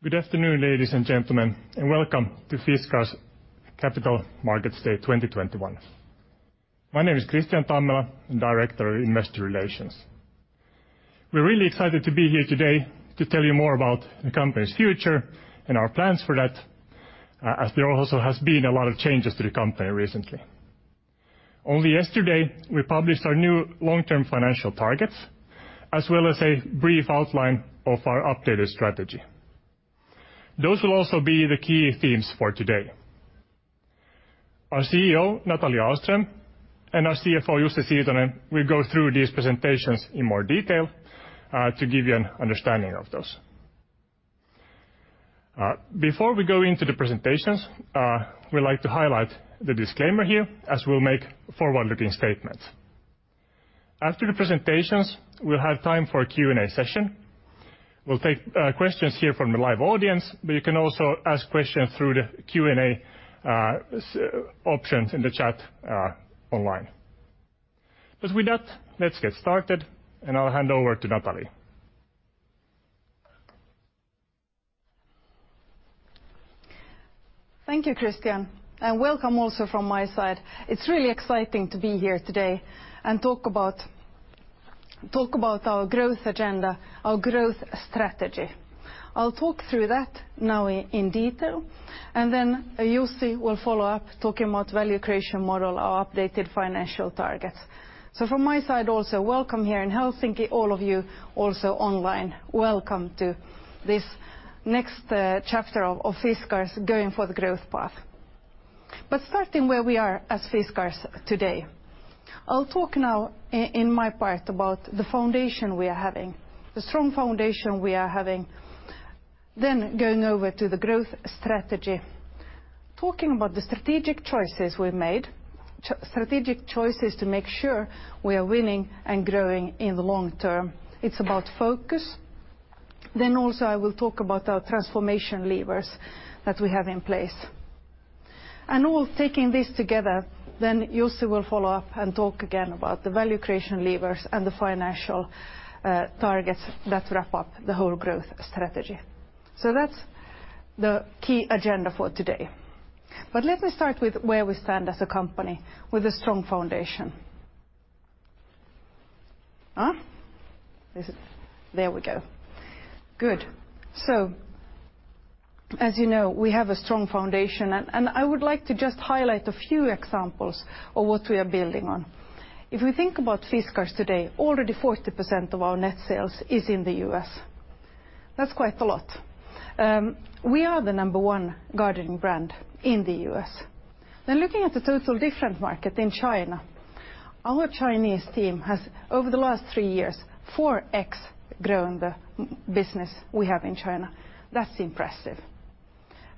Good afternoon, ladies and gentlemen, and welcome to Fiskars Capital Markets Day 2021. My name is Kristian Tammela, Director in Investor Relations. We're really excited to be here today to tell you more about the company's future and our plans for that, as there also has been a lot of changes to the company recently. Only yesterday, we published our new long-term financial targets as well as a brief outline of our updated strategy. Those will a`lso be the key themes for today. Our CEO, Nathalie Ahlström, and our CFO, Jussi Siitonen, will go through these presentations in more detail, to give you an understanding of those. Before we go into the presentations, we'd like to highlight the disclaimer here as we'll make forward-looking statements. After the presentations, we'll have time for a Q&A session. We'll take questions here from the live audience, but you can also ask questions through the Q&A options in the chat online. With that, let's get started, and I'll hand over to Nathalie. Thank you, Kristian, and welcome also from my side. It's really exciting to be here today and talk about our growth agenda, our growth strategy. I'll talk through that now in detail, and then Jussi will follow-up talking about value creation model, our updated financial targets. From my side also, welcome here in Helsinki, all of you also online. Welcome to this next chapter of Fiskars going for the growth path. Starting where we are as Fiskars today, I'll talk now in my part about the foundation we are having, the strong foundation we are having, then going over to the growth strategy, talking about the strategic choices we've made, strategic choices to make sure we are winning and growing in the long-term. It's about focus. Also I will talk about our transformation levers that we have in place. All taking this together, then Jussi will follow-up and talk again about the value creation levers and the financial targets that wrap up the whole growth strategy. That's the key agenda for today. Let me start with where we stand as a company with a strong foundation. As you know, we have a strong foundation and I would like to just highlight a few examples of what we are building on. If we think about Fiskars today, already 40% of our net sales is in the U.S. That's quite a lot. We are the number one gardening brand in the U.S. When looking at a total different market in China, our Chinese team has, over the last three years, 4x grown the e-business we have in China. That's impressive.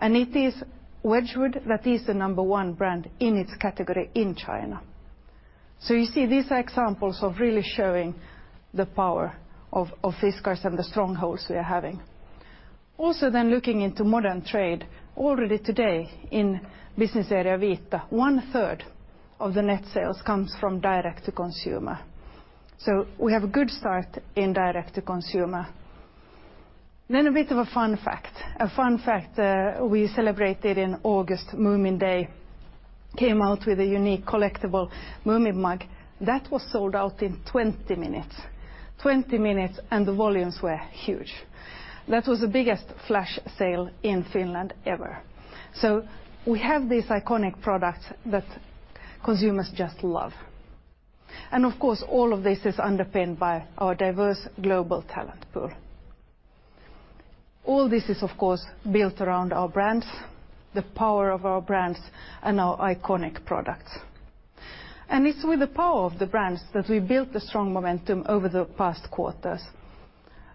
It is Wedgwood that is the number one brand in its category in China. You see these are examples of really showing the power of Fiskars and the strongholds we are having. Looking into modern trade, already today in business area Vita, 1/3 Of the net sales comes from Direct-to-Consumer. We have a good start in Direct-to-Consumer. A bit of a fun fact. We celebrated in August Moomin Day, came out with a unique collectible Moomin mug that was sold out in 20 minutes. 20 minutes, and the volumes were huge. That was the biggest flash sale in Finland ever. We have these iconic products that consumers just love. Of course, all of this is underpinned by our diverse global talent pool. All this is, of course, built around our brands, the power of our brands, and our iconic products. It's with the power of the brands that we built the strong momentum over the past quarters.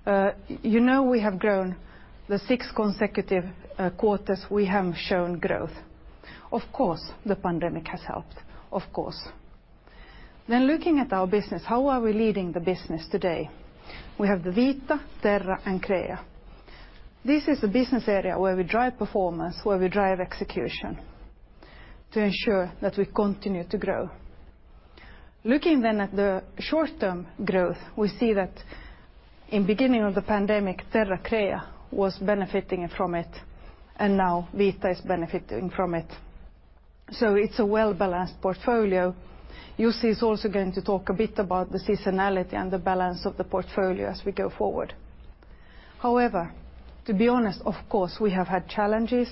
We have grown for six consecutive quarters. We have shown growth. Of course, the pandemic has helped, of course. When looking at our business, how are we leading the business today? We have the Vita, Terra, and Crea. This is a business area where we drive performance, where we drive execution to ensure that we continue to grow. Looking at the short-term growth, we see that in beginning of the pandemic, Terra, Crea was benefiting from it, and now Vita is benefiting from it. It's a well-balanced portfolio. Jussi is also going to talk a bit about the seasonality and the balance of the portfolio as we go forward. However, to be honest, of course, we have had challenges.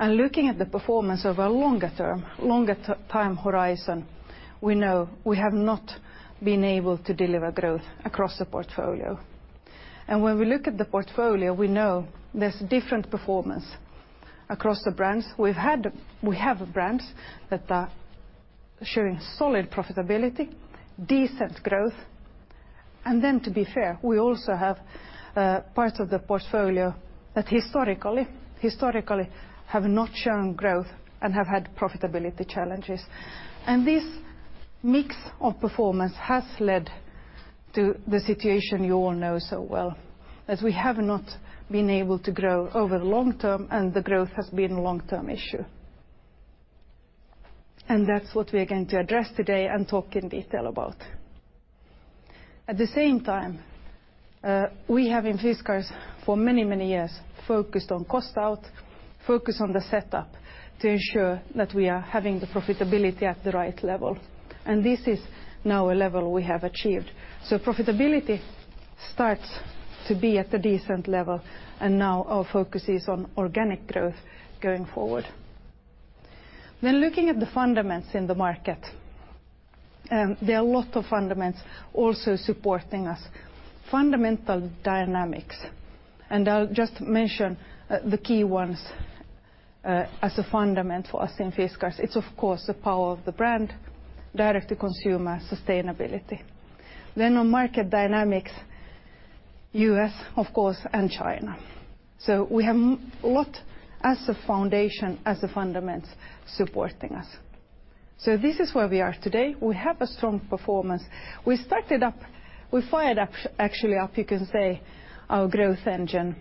Looking at the performance over longer time horizon, we know we have not been able to deliver growth across the portfolio. When we look at the portfolio, we know there's different performance across the brands. We have brands that are showing solid profitability, decent growth. To be fair, we also have parts of the portfolio that historically have not shown growth and have had profitability challenges. This mix of performance has led to the situation you all know so well, that we have not been able to grow over long-term, and the growth has been a long-term issue. That's what we are going to address today and talk in detail about. At the same time, we have in Fiskars for many, many years focused on cost out, focused on the setup to ensure that we are having the profitability at the right level, and this is now a level we have achieved. Profitability starts to be at a decent level, and now our focus is on organic growth going forward. Looking at the fundamentals in the market, there are a lot of fundamentals also supporting us. Fundamental dynamics, and I'll just mention the key ones, as a fundamental for us in Fiskars. It's of course the power of the brand, Direct-to-Consumer, Sustainability. Then on market dynamics, U.S. of course, and China. We have a lot as a foundation, as the fundamentals supporting us. This is where we are today. We have a strong performance. We fired up, actually up, you can say, our growth engine.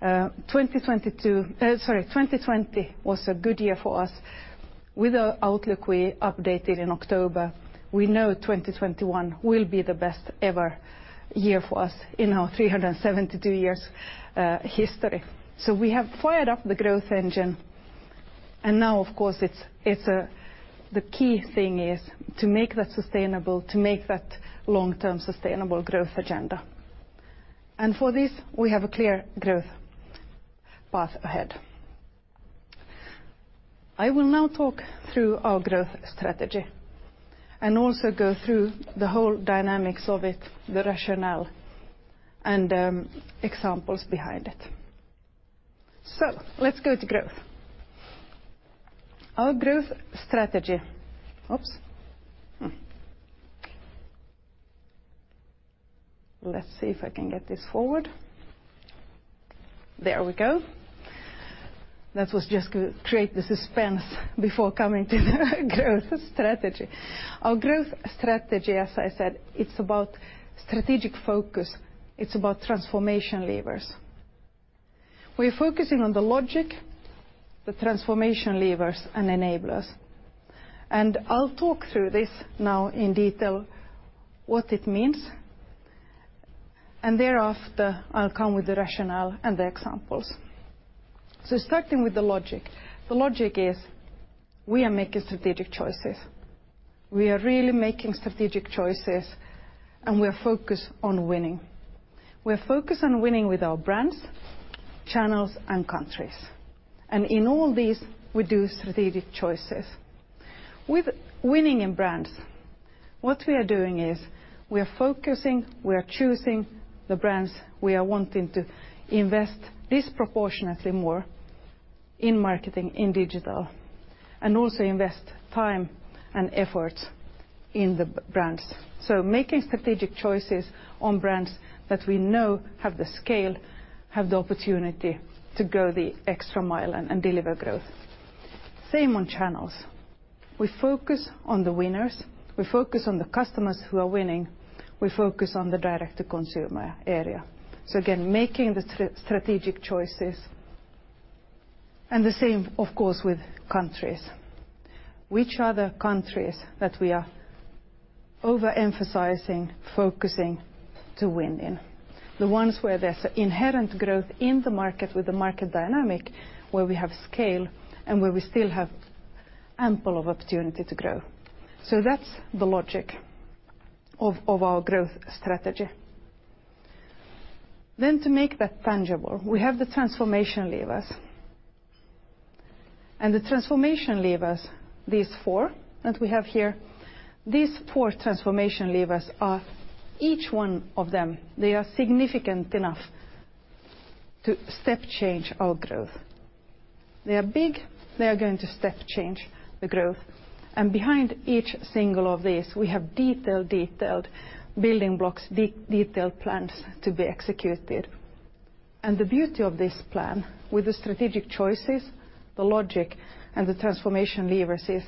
2022, 2020 was a good year for us. With our outlook we updated in October, we know 2021 will be the best ever year for us in our 372 years history. We have fired up the growth engine, and now of course, it's the key thing is to make that sustainable, to make that long-term sustainable growth agenda. For this, we have a clear growth path ahead. I will now talk through our growth strategy and also go through the whole dynamics of it, the rationale, and examples behind it. Let's go to growth. Our growth strategy. Oops. Hmm. Let's see if I can get this forward. There we go. That was just to create the suspense before coming to the growth strategy. Our growth strategy, as I said, it's about strategic focus. It's about transformation levers. We're focusing on the logic, the transformation levers, and enablers. I'll talk through this now in detail, what it means, and thereafter I'll come with the rationale and the examples. Starting with the logic. The logic is we are making strategic choices. We are really making strategic choices, and we're focused on winning. We're focused on winning with our brands, channels, and countries. In all these, we do strategic choices. With winning in brands, what we are doing is we are focusing, we are choosing the brands we are wanting to invest disproportionately more in marketing, in digital, and also invest time and effort in the B-brands. Making strategic choices on brands that we know have the scale, have the opportunity to go the extra mile and deliver growth. Same on channels. We focus on the winners. We focus on the customers who are winning. We focus on the Direct-to-Consumer area. Again, making the strategic choices. The same of course with countries. Which are the countries that we are overemphasizing, focusing to win in? The ones where there's inherent growth in the market with the market dynamic, where we have scale, and where we still have ample of opportunity to grow. That's the logic of our growth strategy. To make that tangible, we have the transformation levers. The transformation levers, these four that we have here, these four transformation levers are, each one of them, they are significant enough to step change our growth. They are big. They are going to step change the growth. Behind each single of these, we have detailed building blocks, detailed plans to be executed. The beauty of this plan, with the strategic choices, the logic, and the transformation levers, is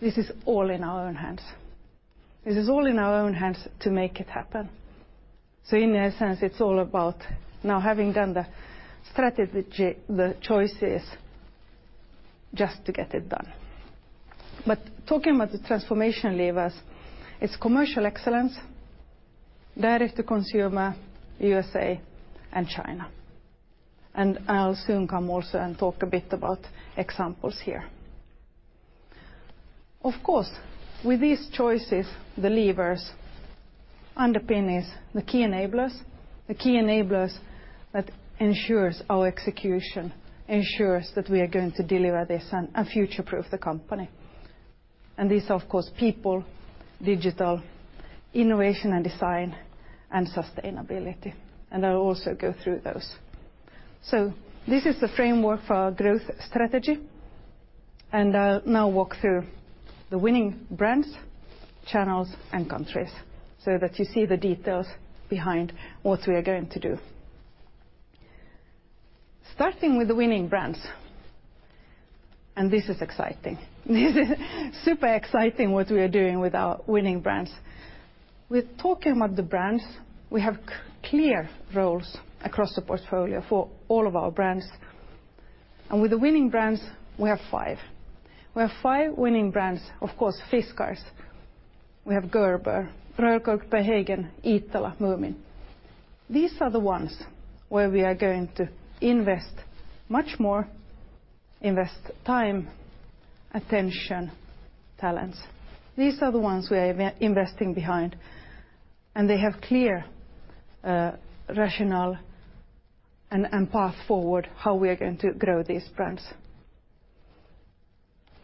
this is all in our own hands. This is all in our own hands to make it happen. In essence, it's all about now having done the strategy, the choices, just to get it done. Talking about the transformation levers, it's commercial excellence, Direct-to-Consumer, USA, and China. I'll soon come also and talk a bit about examples here. Of course, with these choices, the levers that underpin this are the key enablers that ensure our execution, ensure that we are going to deliver this and future-proof the company. This, of course, People, Digital, Innovation and Design, and Sustainability, and I'll also go through those. This is the framework for our growth strategy, and I'll now walk through the winning brands, channels, and countries so that you see the details behind what we are going to do. Starting with the winning brands, this is exciting. This is super exciting what we are doing with our winning brands. When talking about the brands, we have clear roles across the portfolio for all of our brands. With the winning brands, we have five winning brands. Of course, Fiskars. We have Gerber, Rörstrand, Waterford, Iittala, Moomin. These are the ones where we are going to invest much more, invest time, attention, talents. These are the ones we are investing behind, and they have clear rationale and path forward how we are going to grow these brands.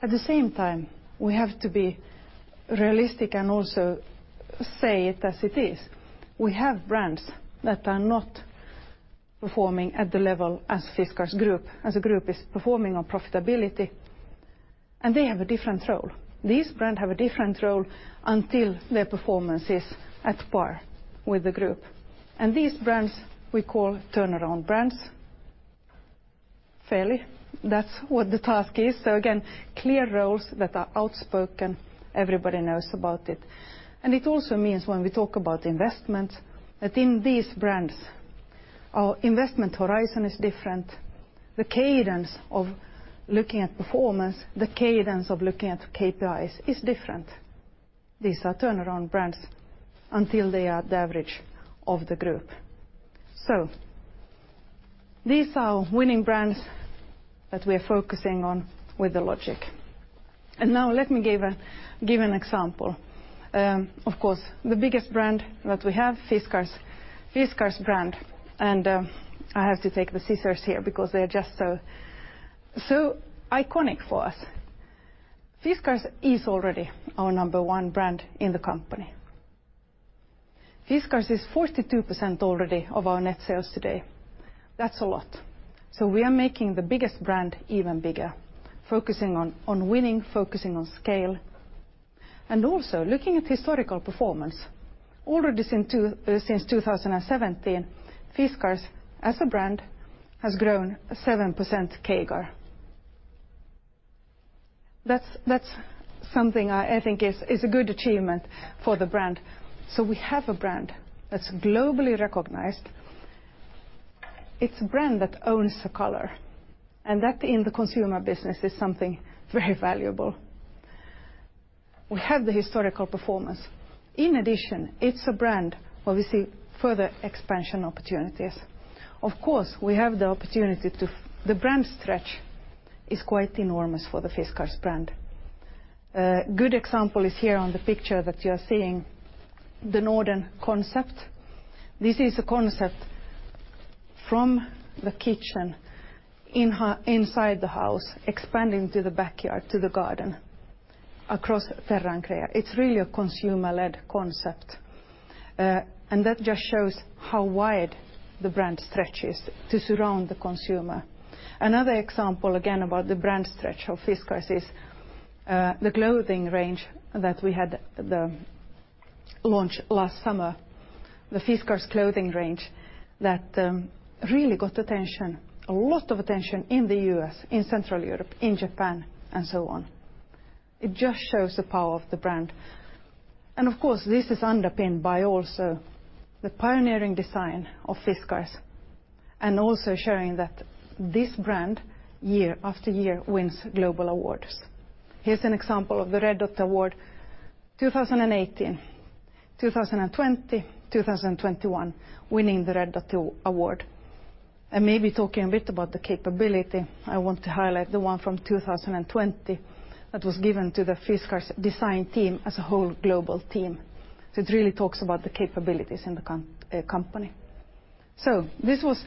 At the same time, we have to be realistic and also say it as it is. We have brands that are not performing at the level as Fiskars Group, as a group is performing on profitability, and they have a different role. These brands have a different role until their performance is at par with the group. These brands, we call turnaround brands. Fairly, that's what the task is. Again, clear roles that are outspoken, everybody knows about it. It also means when we talk about investments, that in these brands, our investment horizon is different. The cadence of looking at performance, the cadence of looking at KPIs is different. These are turnaround brands until they are the average of the group. These are winning brands that we are focusing on with the logic. Now let me give an example. Of course, the biggest brand that we have, Fiskars. Fiskars brand, and I have to take the scissors here because they are just so iconic for us. Fiskars is already our number one brand in the company. Fiskars is 42% already of our net sales today. That's a lot. We are making the biggest brand even bigger, focusing on winning, focusing on scale. Also looking at historical performance, already since 2017, Fiskars as a brand has grown 7% CAGR. That's something I think is a good achievement for the brand. We have a brand that's globally recognized. It's a brand that owns a color, and that in the consumer business is something very valuable. We have the historical performance. In addition, it's a brand where we see further expansion opportunities. Of course, we have the opportunity to. The brand stretch is quite enormous for the Fiskars brand. A good example is here on the picture that you are seeing, the Norden concept. This is a concept from the kitchen inside the house expanding to the backyard, to the garden across Terra and Crea. It's really a consumer-led concept. And that just shows how wide the brand stretch is to surround the consumer. Another example, again, about the brand stretch of Fiskars is the clothing range that we had the launch last summer. The Fiskars clothing range that really got attention, a lot of attention in the U.S., in Central Europe, in Japan, and so on. It just shows the power of the brand. Of course, this is underpinned by also the pioneering design of Fiskars, and also showing that this brand, year after year, wins global awards. Here's an example of the Red Dot Award. 2018, 2020, 2021, winning the Red Dot Award. Maybe talking a bit about the capability, I want to highlight the one from 2020 that was given to the Fiskars design team as a whole global team. It really talks about the capabilities in the company. This was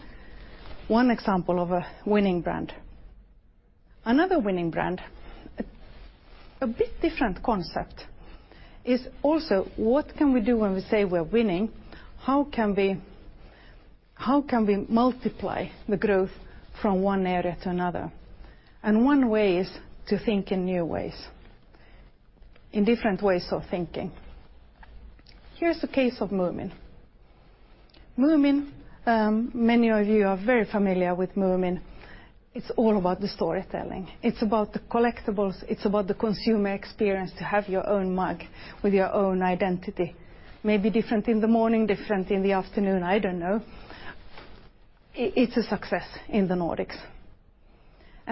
one example of a winning brand. Another winning brand, a bit different concept, is also what can we do when we say we're winning? How can we multiply the growth from one area to another? One way is to think in new ways, in different ways of thinking. Here's the case of Moomin. Moomin, many of you are very familiar with Moomin. It's all about the storytelling. It's about the collectibles. It's about the consumer experience to have your own mug with your own identity. Maybe different in the morning, different in the afternoon, I don't know. It's a success in the Nordics.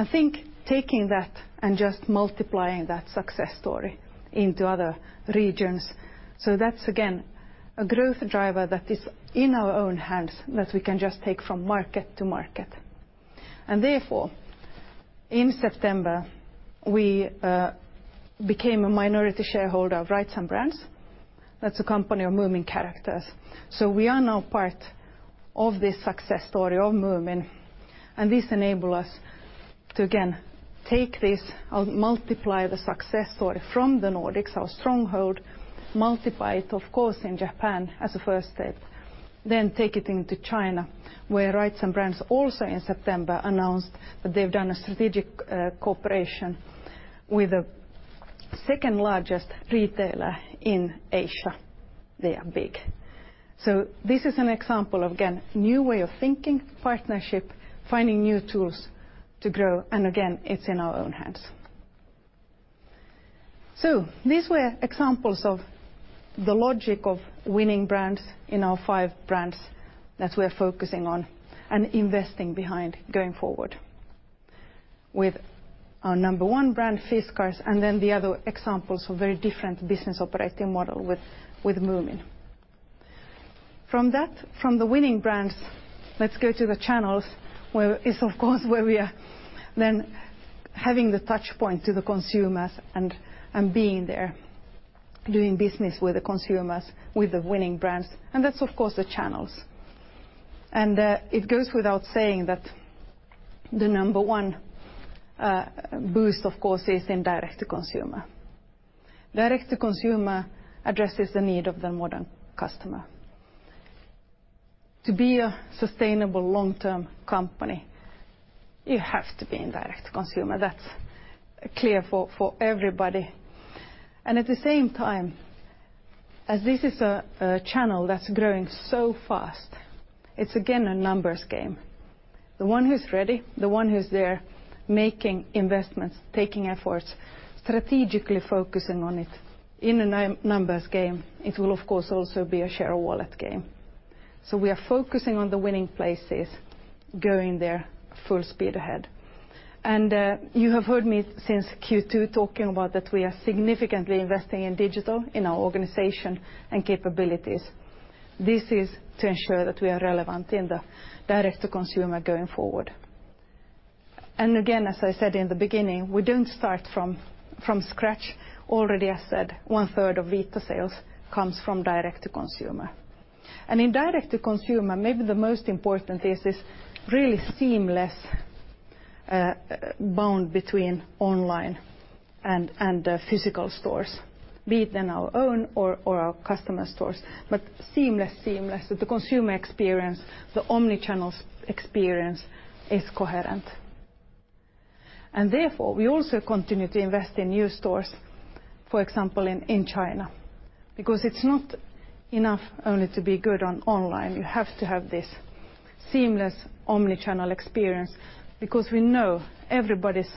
Think taking that and just multiplying that success story into other regions. That's again a growth driver that is in our own hands that we can just take from market-to-market. Therefore, in September, we became a minority shareholder of Rights & Brands. That's a company of Moomin Characters. We are now part of this success story of Moomin, and this enable us to again take this or multiply the success story from the Nordics, our stronghold, it, of course, in Japan as a first step, then take it into China, where Rights & Brands also in September announced that they've done a strategic cooperation with the second largest retailer in Asia. They are big. This is an example of, again, new way of thinking, partnership, finding new tools to grow, and again, it's in our own hands. These were examples of the logic of winning brands in our five brands that we're focusing on and investing behind going forward. With our number one brand, Fiskars, and then the other examples of very different business operating model with Moomin. From that, from the winning brands, let's go to the channels where, of course, we are then having the touch point to the consumers and being there, doing business with the consumers, with the winning brands, and that's of course the channels. It goes without saying that the number one boost of course is in Direct-to-Consumer. Direct to consumer addresses the need of the modern customer. To be a sustainable long-term company, you have to be in Direct-to-Consumer. That's clear for everybody. At the same time, as this is a channel that's growing so fast, it's again a numbers game. The one who's ready, the one who's there making investments, taking efforts, strategically focusing on it in a numbers game, it will of course also be a share-of-wallet game. We are focusing on the winning places, going there full speed ahead. You have heard me since Q2 talking about that we are significantly investing in digital in our organization and capabilities. This is to ensure that we are relevant in the Direct-to-Consumer going forward. Again, as I said in the beginning, we don't start from scratch. As I already said 1/3 of Vita sales comes from Direct-to-Consumer. In Direct-to-Consumer, maybe the most important is this really seamless bond between online and physical stores, be it in our own or our customer stores. Seamless. The consumer experience, the omnichannel experience is coherent. Therefore, we also continue to invest in new stores, for example, in China, because it's not enough only to be good on online. You have to have this seamless omnichannel experience, because we know everybody's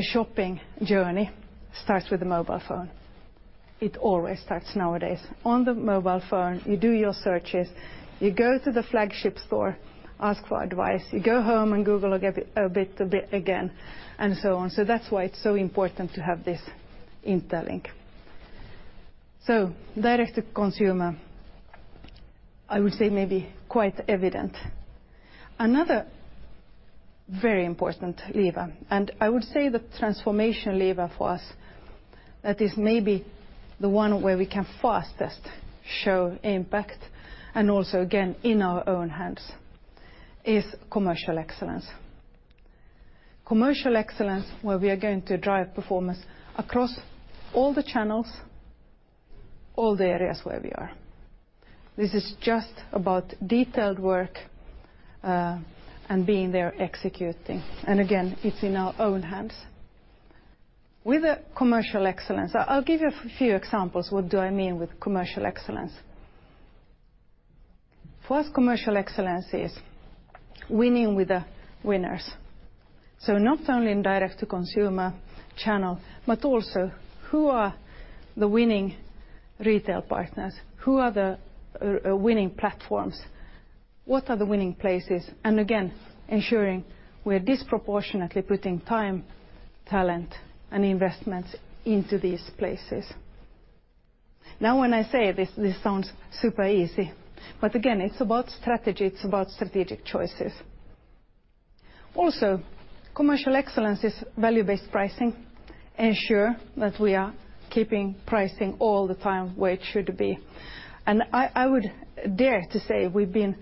shopping journey starts with a mobile phone. It always starts nowadays. On the mobile phone, you do your searches, you go to the flagship store, ask for advice, you go home and Google a bit again, and so on. That's why it's so important to have this interlink. Direct to consumer, I would say maybe quite evident. Another very important lever, and I would say the transformation lever for us, that is maybe the one where we can fastest show impact, and also again, in our own hands, is commercial excellence. Commercial excellence, where we are going to drive performance across all the channels, all the areas where we are. This is just about detailed work and being there executing. Again, it's in our own hands. With the commercial excellence, I'll give you a few examples what do I mean with commercial excellence. For us, commercial excellence is winning with the winners. Not only in Direct-to-Consumer channel, but also who are the winning retail partners? Who are the winning platforms? What are the winning places? Again, ensuring we're disproportionately putting time, talent, and investment into these places. Now when I say this sounds super easy. Again, it's about strategy, it's about strategic choices. Also, commercial excellence is value-based pricing, ensure that we are keeping pricing all the time where it should be. I would dare to say we've been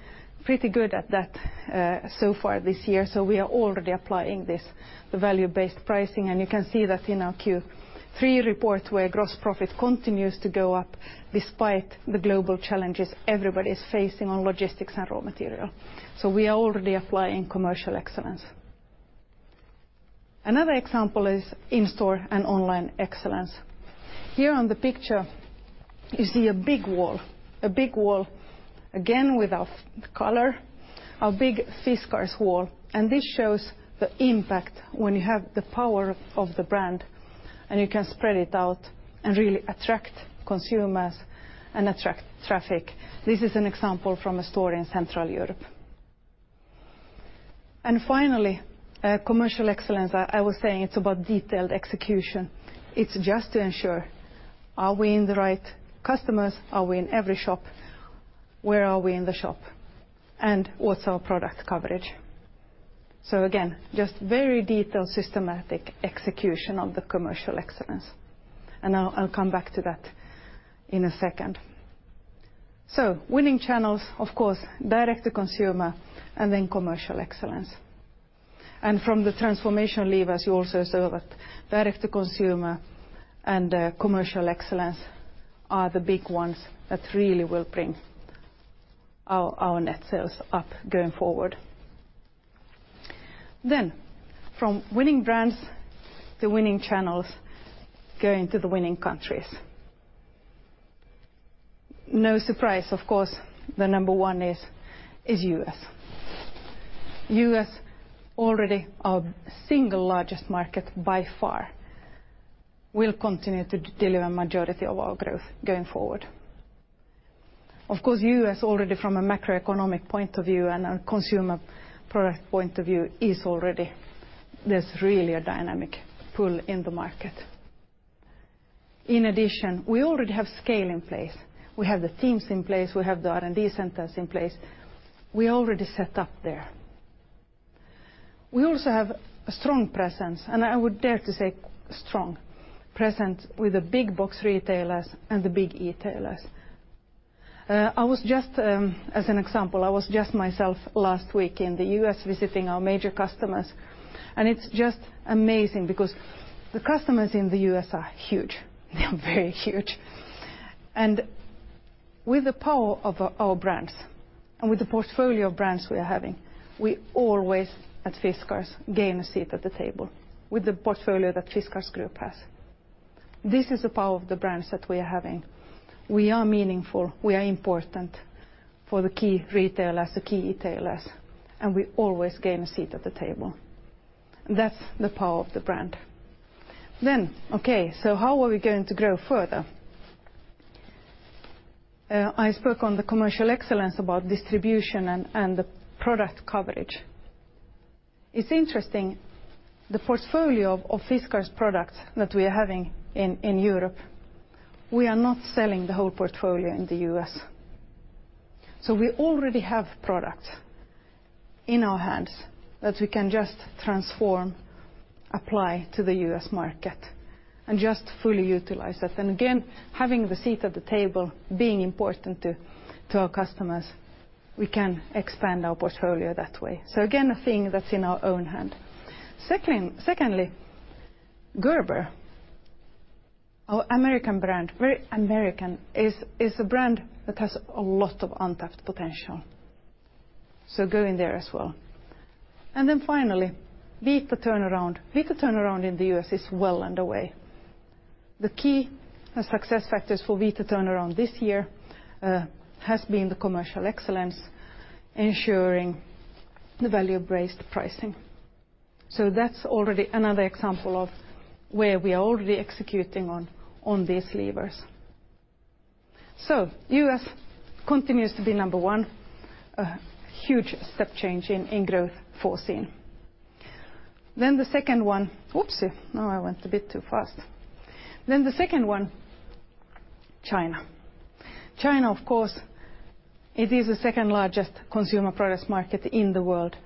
pretty good at that so far this year, so we are already applying this, the value-based pricing. You can see that in our Q3 report where gross profit continues to go up despite the global challenges everybody's facing on logistics and raw material. We are already applying commercial excellence. Another example is in-store and online excellence. Here on the picture, you see a big wall, again, with our color, our big Fiskars wall, and this shows the impact when you have the power of the brand, and you can spread it out and really attract consumers and attract traffic. This is an example from a store in Central Europe. Finally, commercial excellence, I was saying it's about detailed execution. It's just to ensure are we in the right customers? Are we in every shop? Where are we in the shop? And what's our product coverage? Again, just very detailed systematic execution of the commercial excellence, and I'll come back to that in a second. Winning channels, of course, Direct-to-Consumer and then commercial excellence. From the transformation levers, you also saw that Direct-to-Consumer and commercial excellence are the big ones that really will bring our net sales up going forward. From winning brands to winning channels, going to the winning countries. No surprise, of course, the number one is U.S. U.S. already our single largest market by far, will continue to deliver majority of our growth going forward. Of course, U.S. already from a macroeconomic point of view and a consumer product point of view is already. There's really a dynamic pull in the market. In addition, we already have scale in place. We have the teams in place, we have the R&D centers in place. We already set up there. We also have a strong presence, and I would dare to say strong presence with the big box retailers and the big e-tailers. As an example, I was just myself last week in the U.S. visiting our major customers, and it's just amazing because the customers in the U.S. are huge. They are very huge. With the power of our brands and with the portfolio of brands we are having, we always, at Fiskars, gain a seat at the table with the portfolio that Fiskars Group has. This is the power of the brands that we are having. We are meaningful, we are important for the key retailers, the key e-tailers, and we always gain a seat at the table. That's the power of the brand. Okay, so how are we going to grow further? I spoke on the commercial excellence about distribution and the product coverage. It's interesting, the portfolio of Fiskars products that we are having in Europe, we are not selling the whole portfolio in the U.S. We already have products in our hands that we can just transform, apply to the U.S. market and just fully utilize that. Again, having the seat at the table, being important to our customers, we can expand our portfolio that way. Again, a thing that's in our own hands. Secondly, Gerber, our American brand, very American, is a brand that has a lot of untapped potential, so going there as well. Finally, Vita turnaround. Vita turnaround in the U.S. is well underway. The key success factors for Vita turnaround this year has been the commercial excellence ensuring the value-based pricing. That's already another example of where we are already executing on these levers. U.S. continues to be number one, a huge step change in growth foreseen. The second one, China. China, of course, it is the second-largest consumer products market in the world.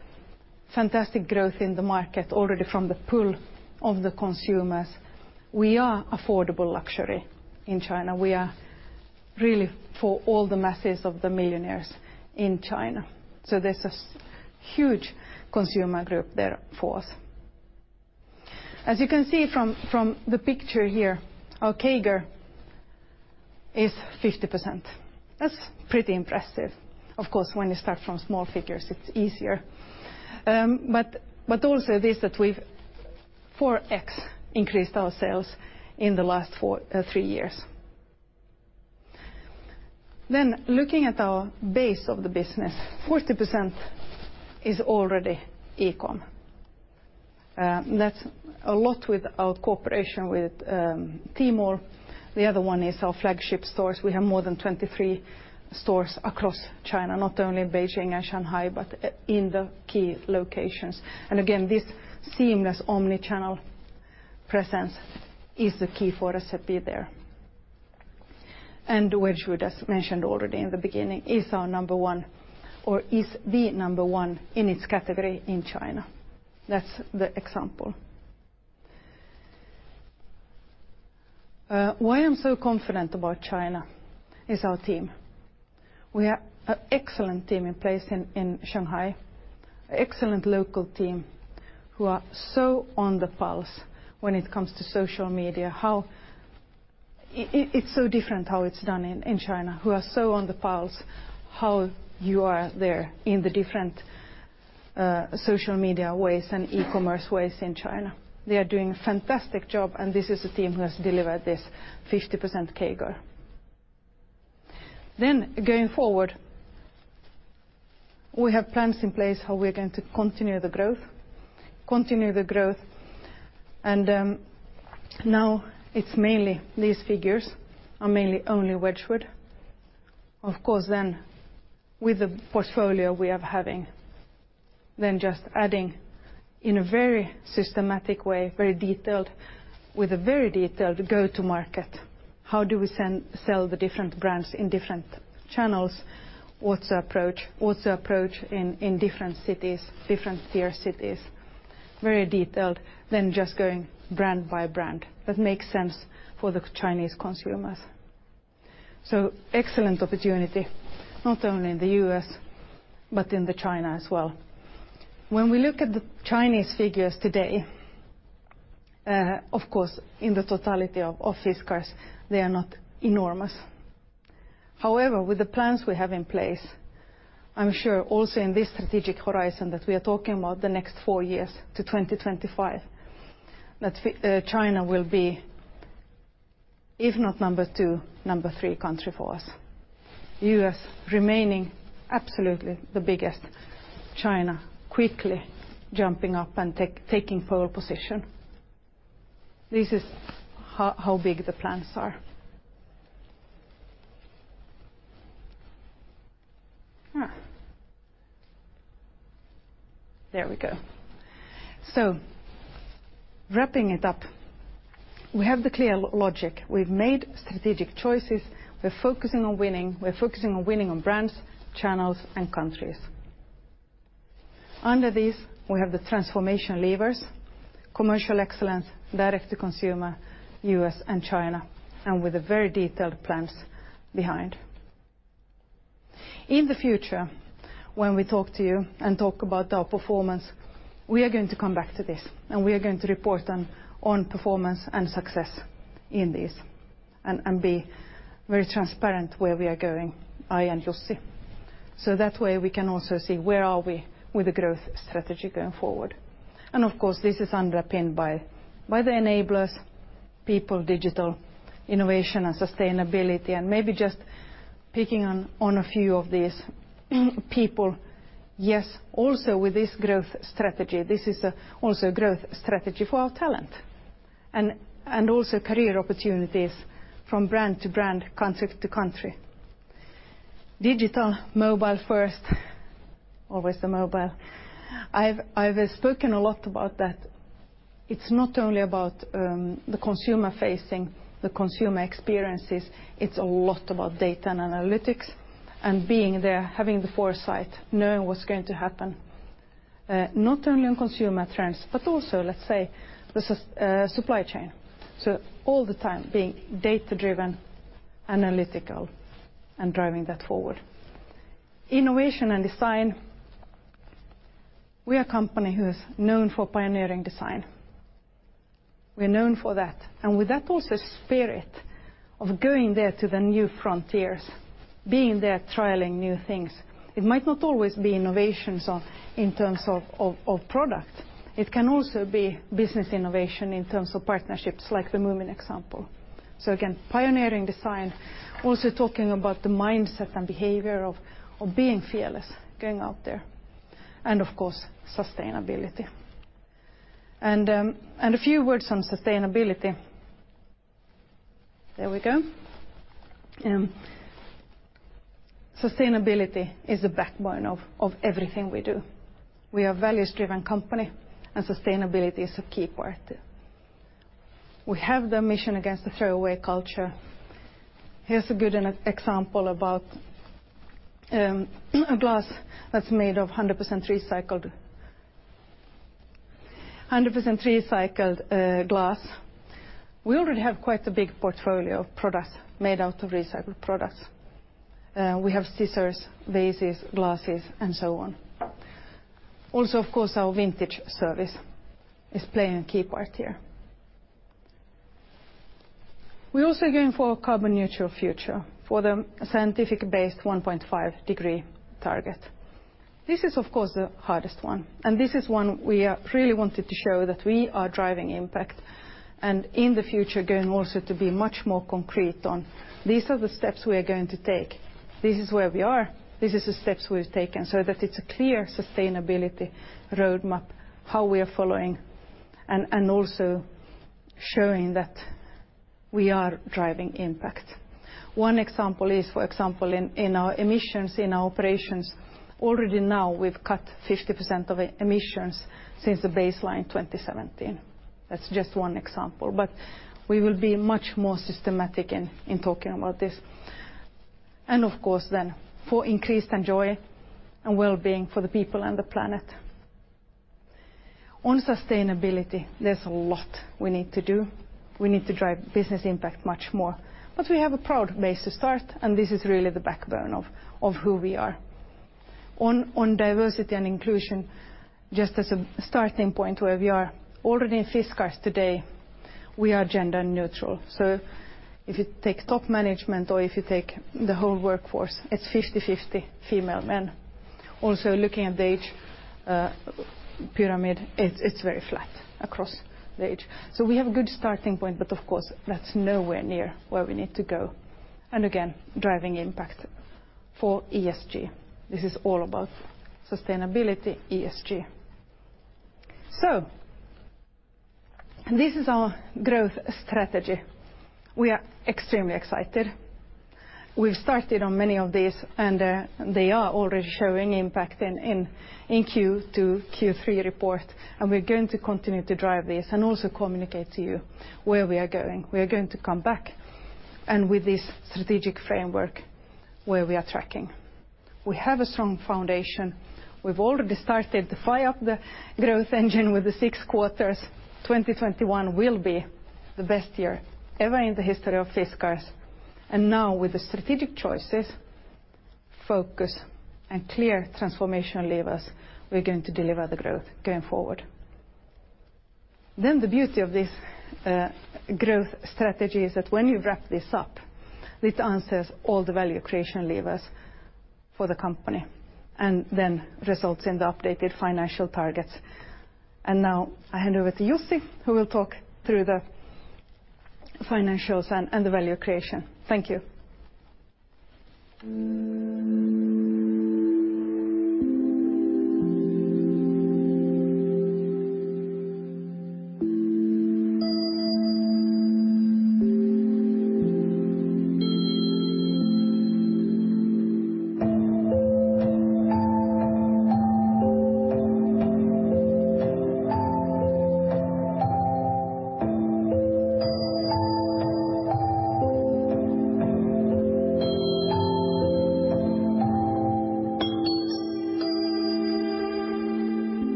Fantastic growth in the market already from the pull of the consumers. We are affordable luxury in China. We are really for all the masses of the millionaires in China, so there's a huge consumer group there for us. As you can see from the picture here, our CAGR is 50%. That's pretty impressive. Of course, when you start from small figures, it's easier. But also it is that we've 4x increased our sales in the last three years. Looking at our base of the business, 40% is already e-com. That's a lot with our cooperation with Tmall. The other one is our flagship stores. We have more than 23 stores across China, not only in Beijing and Shanghai, but in the key locations. Again, this seamless omni-channel presence is the key for us to be there. Wedgwood, as mentioned already in the beginning, is the number one in its category in China. That's the example. Why I'm so confident about China is our team. We have an excellent team in place in Shanghai, an excellent local team who are so on the pulse when it comes to social media, how it's so different how it's done in China, who are so on the pulse how you are there in the different social media ways and e-commerce ways in China. They are doing a fantastic job, and this is a team who has delivered this 50% CAGR. Going forward, we have plans in place how we're going to continue the growth, and now it's mainly these figures are mainly only Wedgwood. Of course, with the portfolio we are having, just adding in a very systematic way, very detailed, with a very detailed go-to market, how do we sell the different brands in different channels? What's the approach? What's the approach in different cities, different tier cities? Very detailed, just going brand by brand. That makes sense for the Chinese consumers. Excellent opportunity, not only in the U.S., but in China as well. When we look at the Chinese figures today, of course, in the totality of Fiskars, they are not enormous. However, with the plans we have in place—I'm sure also in this strategic horizon that we are talking about the next four years to 2025, China will be if not number two, number three country for us. U.S. remaining absolutely the biggest. China quickly jumping up and taking pole position. This is how big the plans are. There we go. Wrapping it up, we have the clear logic. We've made strategic choices. We're focusing on winning. We're focusing on winning on brands, channels, and countries. Under this, we have the transformation levers, commercial excellence, Direct-to-Consumer, U.S. and China, and with very detailed plans behind. In the future, when we talk to you and talk about our performance, we are going to come back to this, and we are going to report on performance and success in this and be very transparent where we are going, I and Jussi. That way, we can also see where are we with the growth strategy going forward. Of course, this is underpinned by the enablers, People, Digital, Innovation and Sustainability, and maybe just picking on a few of these. People, yes, also with this growth strategy, this is also a growth strategy for our talent and also career opportunities from brand to brand, country to country. Digital mobile first, always the mobile. I've spoken a lot about that. It's not only about the consumer facing, the consumer experiences. It's a lot about data and analytics and being there, having the foresight, knowing what's going to happen, not only on consumer trends, but also, let's say, the supply chain. All the time being data-driven, analytical, and driving that forward. Innovation and design. We're a company who's known for pioneering design. We're known for that, and with that also spirit of going there to the new frontiers, being there, trialing new things. It might not always be innovations in terms of product. It can also be business innovation in terms of partnerships, like the Moomin example. Pioneering design, also talking about the mindset and behavior of being fearless, going out there, and of course, Sustainability. A few words on Sustainability. There we go. Sustainability is the backbone of everything we do. We are a values-driven company, and Sustainability is a key part. We have the mission against the throwaway culture. Here's a good example about a glass that's made of 100% recycled glass. We already have quite a big portfolio of products made out of recycled products. We have scissors, vases, glasses, and so on. Also, of course, our Vintage service is playing a key part here. We're also going for a carbon-neutral future for the science-based 1.5-degree target. This is of course the hardest one, and this is one we really wanted to show that we are driving impact and in the future going also to be much more concrete on these are the steps we are going to take. This is where we are. This is the steps we've taken so that it's a clear sustainability roadmap, how we are following and also showing that we are driving impact. One example is, for example, in our emissions in our operations, already now we've cut 50% of emissions since the baseline 2017. That's just one example, but we will be much more systematic in talking about this. Of course then for increased enjoyment and well-being for the people and the planet. On Sustainability, there's a lot we need to do. We need to drive business impact much more. We have a proud base to start, and this is really the backbone of who we are. On diversity and inclusion, just as a starting point where we are, already in Fiskars today, we are gender neutral. If you take top management or if you take the whole workforce, it's 50/50 female, men. Also looking at the age pyramid, it's very flat across the age. We have a good starting point, but of course, that's nowhere near where we need to go, driving impact for ESG. This is all about Sustainability, ESG. This is our growth strategy. We are extremely excited. We've started on many of these, and they are already showing impact in Q2, Q3 report, and we're going to continue to drive this and also communicate to you where we are going. We are going to come back and with this strategic framework where we are tracking. We have a strong foundation. We've already started to fire up the growth engine with the six quarters. 2021 will be the best year ever in the history of Fiskars. Now with the strategic choices, focus and clear transformation levers, we're going to deliver the growth going forward. The beauty of this growth strategy is that when you wrap this up, this answers all the value creation levers for the company, and then results in the updated financial targets. Now I hand over to Jussi, who will talk through the financials and the value creation. Thank you. Thank you,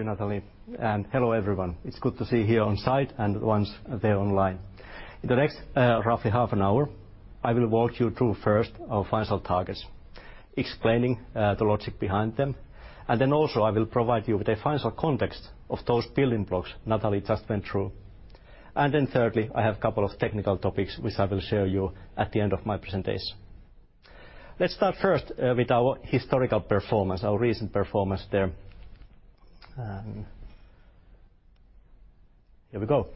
Nathalie, and hello everyone. It's good to see you here on site and the ones there online. In the next, roughly half an hour, I will walk you through first our financial targets, explaining, the logic behind them, and then also I will provide you with the financial context of those building blocks Nathalie just went through. Thirdly, I have a couple of technical topics which I will share with you at the end of my presentation. Let's start first, with our historical performance, our recent performance there. Here we go.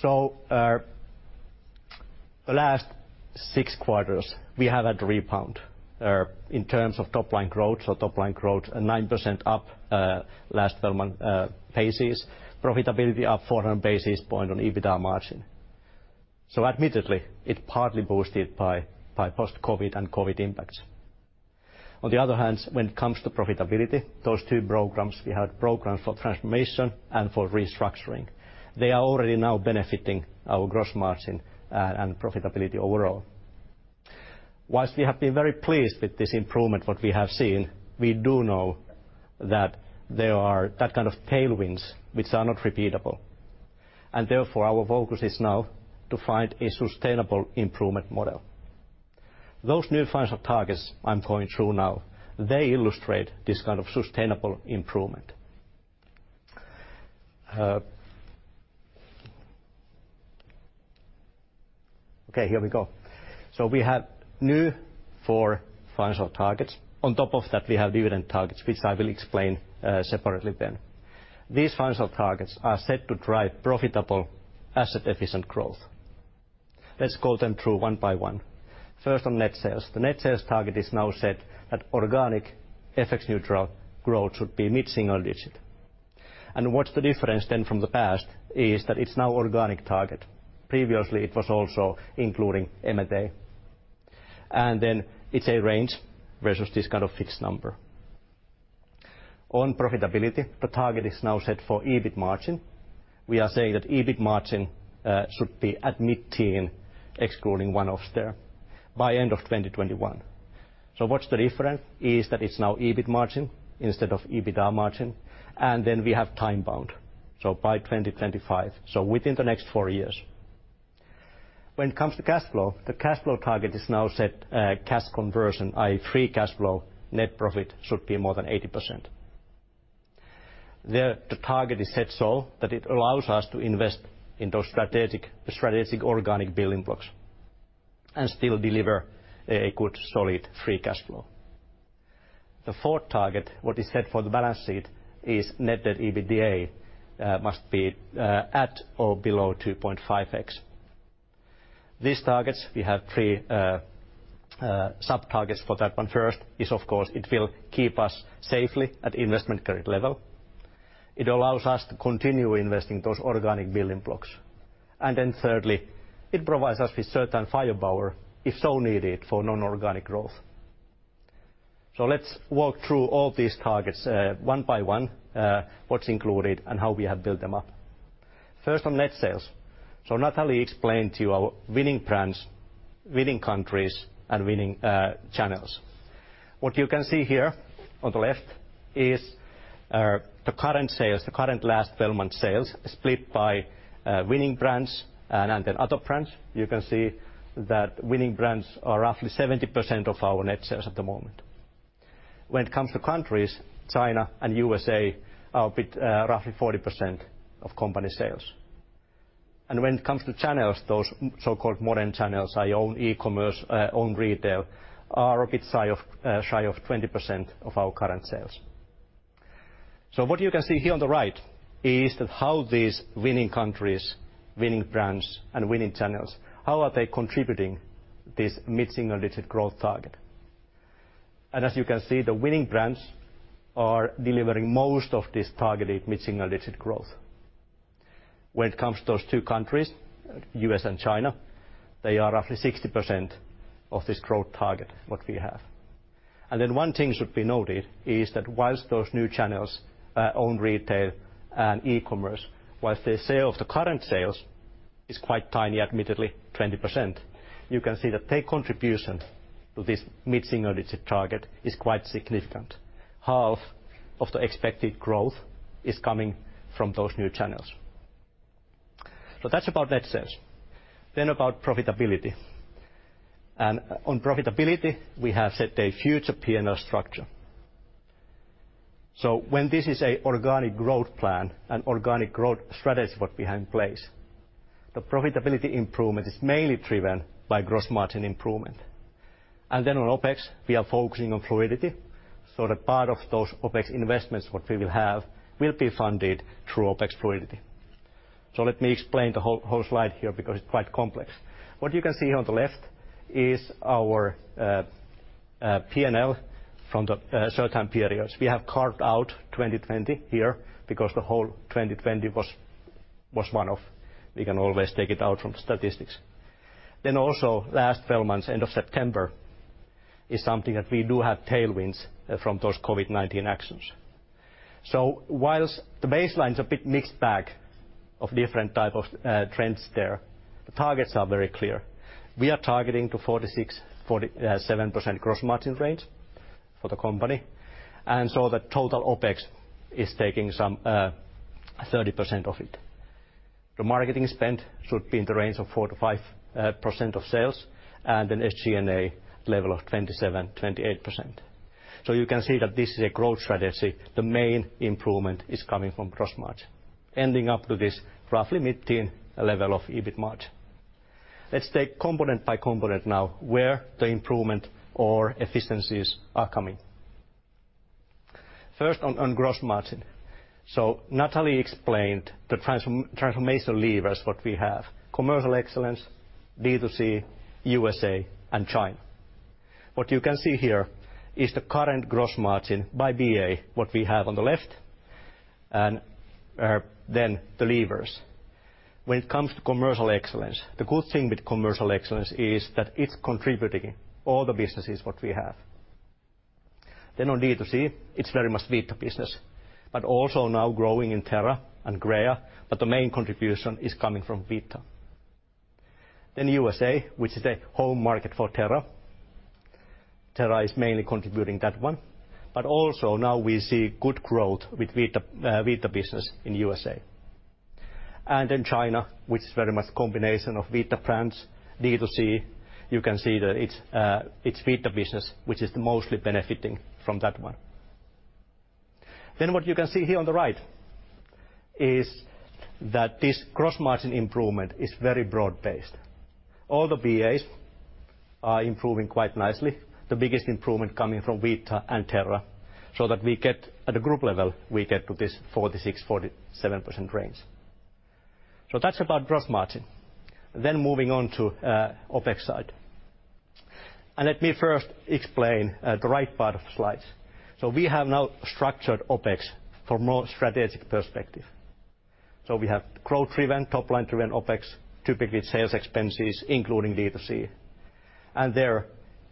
The last six quarters we have had a rebound, in terms of top line growth. Top line growth is 9% up, last 12-month basis. Profitability up 400 basis points on EBITDA margin. Admittedly, it's partly boosted by post-COVID and COVID impacts. On the other hand, when it comes to profitability, those two programs, we have programs for transformation and for restructuring. They are already now benefiting our gross margin and profitability overall. While we have been very pleased with this improvement that we have seen, we do know that there are that kind of tailwinds which are not repeatable, and therefore our focus is now to find a sustainable improvement model. Those new financial targets I'm going through now, they illustrate this kind of sustainable improvement. Okay, here we go. We have new four financial targets. On top of that we have dividend targets, which I will explain separately then. These financial targets are set to drive profitable asset efficient growth. Let's go through them one by one. First, on net sales. The net sales target is now set at organic FX-neutral growth that should be mid-single-digit. The difference from the past is that it's now organic target. Previously, it was also including M&A. It's a range versus this kind of fixed number. On profitability, the target is now set for EBIT margin. We are saying that EBIT margin should be at mid-teens, excluding one-offs there, by end of 2021. The difference is that it's now EBIT margin instead of EBITDA margin, and it's time-bound, by 2025, within the next four years. When it comes to cash flow, the cash flow target is now set, cash conversion, i.e. free cash flow net profit should be more than 80%. There the target is set so that it allows us to invest in those strategic organic building blocks and still deliver a good solid free cash flow. The fourth target, what is set for the balance sheet, is net debt EBITDA must be at or below 2.5x. These targets, we have three sub-targets for that. First is, of course, it will keep us safely at investment grade level. It allows us to continue investing those organic building blocks. Then thirdly, it provides us with certain firepower, if so needed, for non-organic growth. Let's walk through all these targets one by one, what's included and how we have built them up. First, on net sales. Nathalie explained to you our winning brands, winning countries, and winning channels. What you can see here on the left is the current sales, the current last 12-month sales, split by winning brands and then other brands. You can see that winning brands are roughly 70% of our net sales at the moment. When it comes to countries, China and U.S.A. are a bit roughly 40% of company sales. When it comes to channels, those so-called modern channels, our own e-commerce, own retail, are a bit shy of 20% of our current sales. What you can see here on the right is that how these winning countries, winning brands, and winning channels, how are they contributing this mid-single-digit growth target? As you can see, the winning brands are delivering most of this targeted mid-single-digit growth. When it comes to those two countries, U.S. and China, they are roughly 60% of this growth target what we have. One thing should be noted is that while those new channels, our retail and e-commerce, while the share of the current sales is quite tiny, admittedly 20%, you can see that their contribution to this mid-single-digit target is quite significant. Half of the expected growth is coming from those new channels. That's about net sales. About profitability. On profitability, we have set a future P&L structure. When this is an organic growth plan, an organic growth strategy what we have in place, the profitability improvement is mainly driven by gross margin improvement. On OpEx, we are focusing on efficiency, so that part of those OpEx investments what we will have, will be funded through OpEx efficiency. Let me explain the whole slide here because it's quite complex. What you can see here on the left is our P&L from the certain periods. We have carved out 2020 here because the whole 2020 was one-off. We can always take it out from statistics. Last 12 months, end of September, is something that we do have tailwinds from those COVID-19 actions. Whilst the baseline is a bit mixed bag of different type of trends there, the targets are very clear. We are targeting to 46-47% gross margin range for the company. The total OpEx is taking some 30% of it. The marketing spend should be in the range of 4%-5% of sales, and an SG&A level of 27%-28%. You can see that this is a growth strategy. The main improvement is coming from gross margin, ending up to this roughly mid-teen level of EBIT margin. Let's take component by component now, where the improvement or efficiencies are coming. First on gross margin. Nathalie explained the transformation levers that we have: commercial excellence, D2C, U.S.A., and China. What you can see here is the current gross margin by BA, what we have on the left, and then the levers. When it comes to commercial excellence, the good thing with commercial excellence is that it's contributing all the businesses that we have. On D2C, it's very much Vita business, but also now growing in Terra and Crea, but the main contribution is coming from Vita. U.S.A., which is a home market for Terra. Terra is mainly contributing that one. Also now we see good growth with Vita business in U.S.A. China, which is very much a combination of Vita brands, D2C. You can see that it's Vita business which is mostly benefiting from that one. What you can see here on the right is that this gross margin improvement is very broad-based. All the BAs are improving quite nicely, the biggest improvement coming from Vita and Terra, so that we get, at the group level, to this 46%-47% range. That's about gross margin. Moving on to OpEx side. Let me first explain the right part of the slide. We have now structured OpEx for more strategic perspective. We have growth-driven, top-line driven OpEx, typically sales expenses, including D2C. There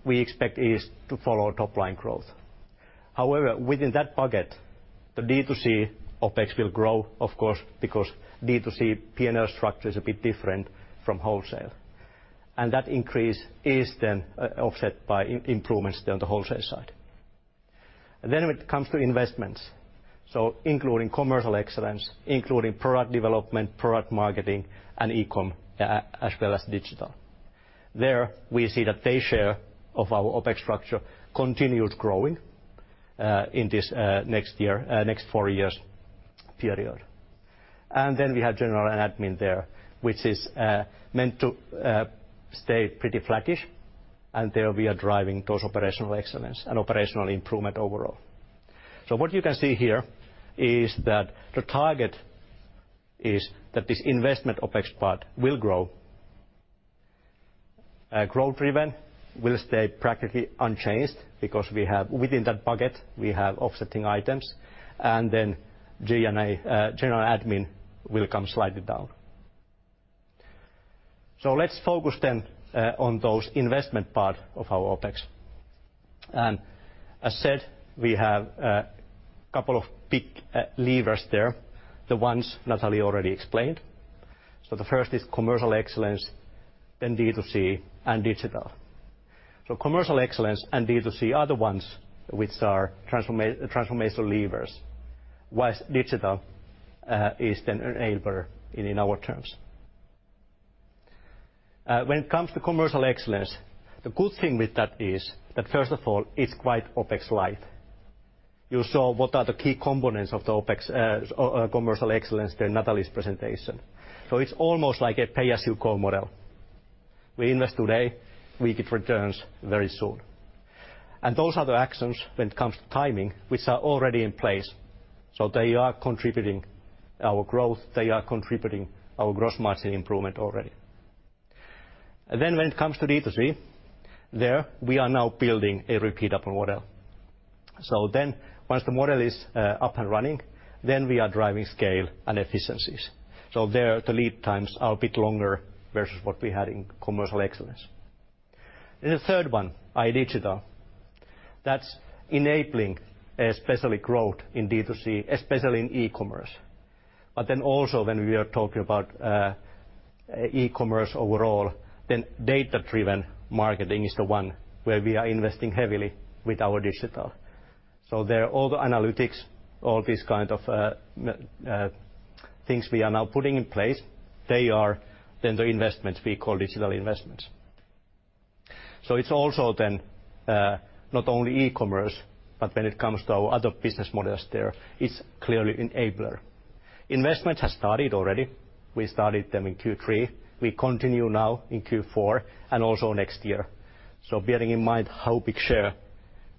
we expect is to follow top-line growth. However, within that bucket, the D2C OpEx will grow, of course, because D2C P&L structure is a bit different from wholesale. That increase is then offset by improvements there on the wholesale side. When it comes to investments, so including commercial excellence, including product development, product marketing, and e-com, as well as digital. There we see that the share of our OpEx structure continued growing in this next year, next four years period. We have general and admin there, which is meant to stay pretty flattish. There we are driving those operational excellence and operational improvement overall. What you can see here is that the target is that this investment OpEx part will grow. Growth driven will stay practically unchanged because we have, within that bucket, we have offsetting items. G&A, general admin will come slightly down. Let's focus then on those investment part of our OpEx. As said, we have couple of big levers there, the ones Nathalie already explained. The first is commercial excellence, then D2C and digital. Commercial excellence and D2C are the ones which are transformational levers, whilst digital is then enabler in our terms. When it comes to commercial excellence, the good thing with that is that, first of all, it's quite OpEx light. You saw what are the key components of the OpEx commercial excellence in Nathalie's presentation. It's almost like a pay-as-you-go model. We invest today, we get returns very soon. Those are the actions when it comes to timing, which are already in place. They are contributing our growth, they are contributing our gross margin improvement already. When it comes to D2C, there we are now building a repeatable model. Once the model is up and running, then we are driving scale and efficiencies. There the lead times are a bit longer versus what we had in commercial excellence. The third one, Digital, that's enabling, especially growth in D2C, especially in e-commerce. Also when we are talking about e-commerce overall, then data-driven marketing is the one where we are investing heavily with our Digital. There all the analytics, all these kind of things we are now putting in place, they are then the investments we call digital investments. It's also then not only e-commerce, but when it comes to our other business models there, it's clearly enabler. Investments have started already. We started them in Q3. We continue now in Q4, and also next year. Bearing in mind how big share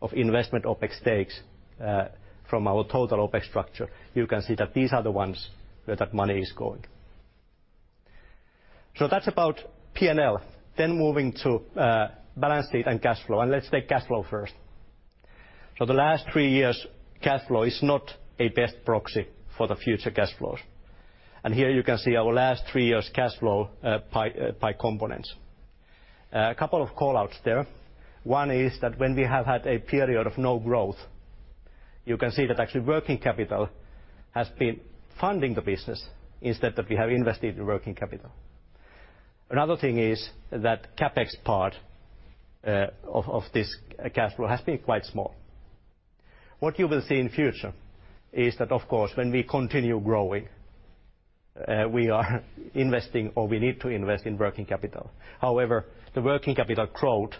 of investment OpEx takes from our total OpEx structure, you can see that these are the ones where that money is going. That's about P&L. Moving to balance sheet and cash flow, and let's take cash flow first. The last three years' cash flow is not a best proxy for the future cash flows. Here you can see our last three years' cash flow by components. A couple of call-outs there. One is that when we have had a period of no growth, you can see that actually working capital has been funding the business instead that we have invested in working capital. Another thing is that CapEx part of this cash flow has been quite small. What you will see in future is that, of course, when we continue growing, we are investing or we need to invest in working capital. However, the working capital growth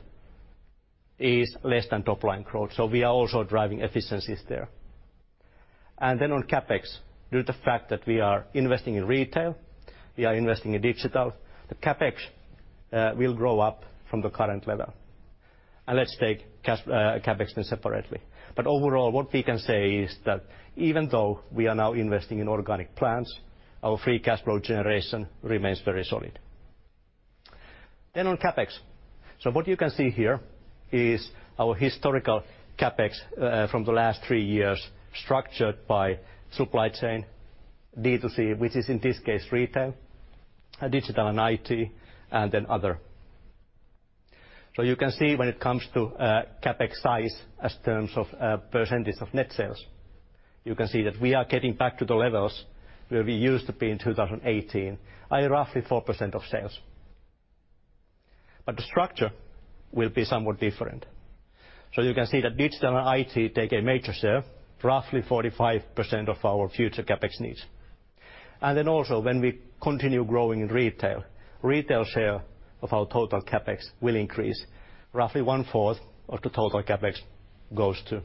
is less than top-line growth, so we are also driving efficiencies there. On CapEx, due to the fact that we are investing in retail, we are investing in Digital, the CapEx will grow up from the current level. Let's take CapEx then separately. Overall, what we can say is that even though we are now investing in organic plans, our free cash flow generation remains very solid. On CapEx. What you can see here is our historical CapEx from the last three years, structured by supply chain, D2C, which is in this case retail, digital and IT, and then other. You can see when it comes to CapEx size in terms of percentage of net sales, you can see that we are getting back to the levels where we used to be in 2018, at roughly 4% of sales. The structure will be somewhat different. You can see that digital and IT take a major share, roughly 45% of our future CapEx needs. When we continue growing in retail share of our total CapEx will increase. Roughly one-fourth of the total CapEx goes to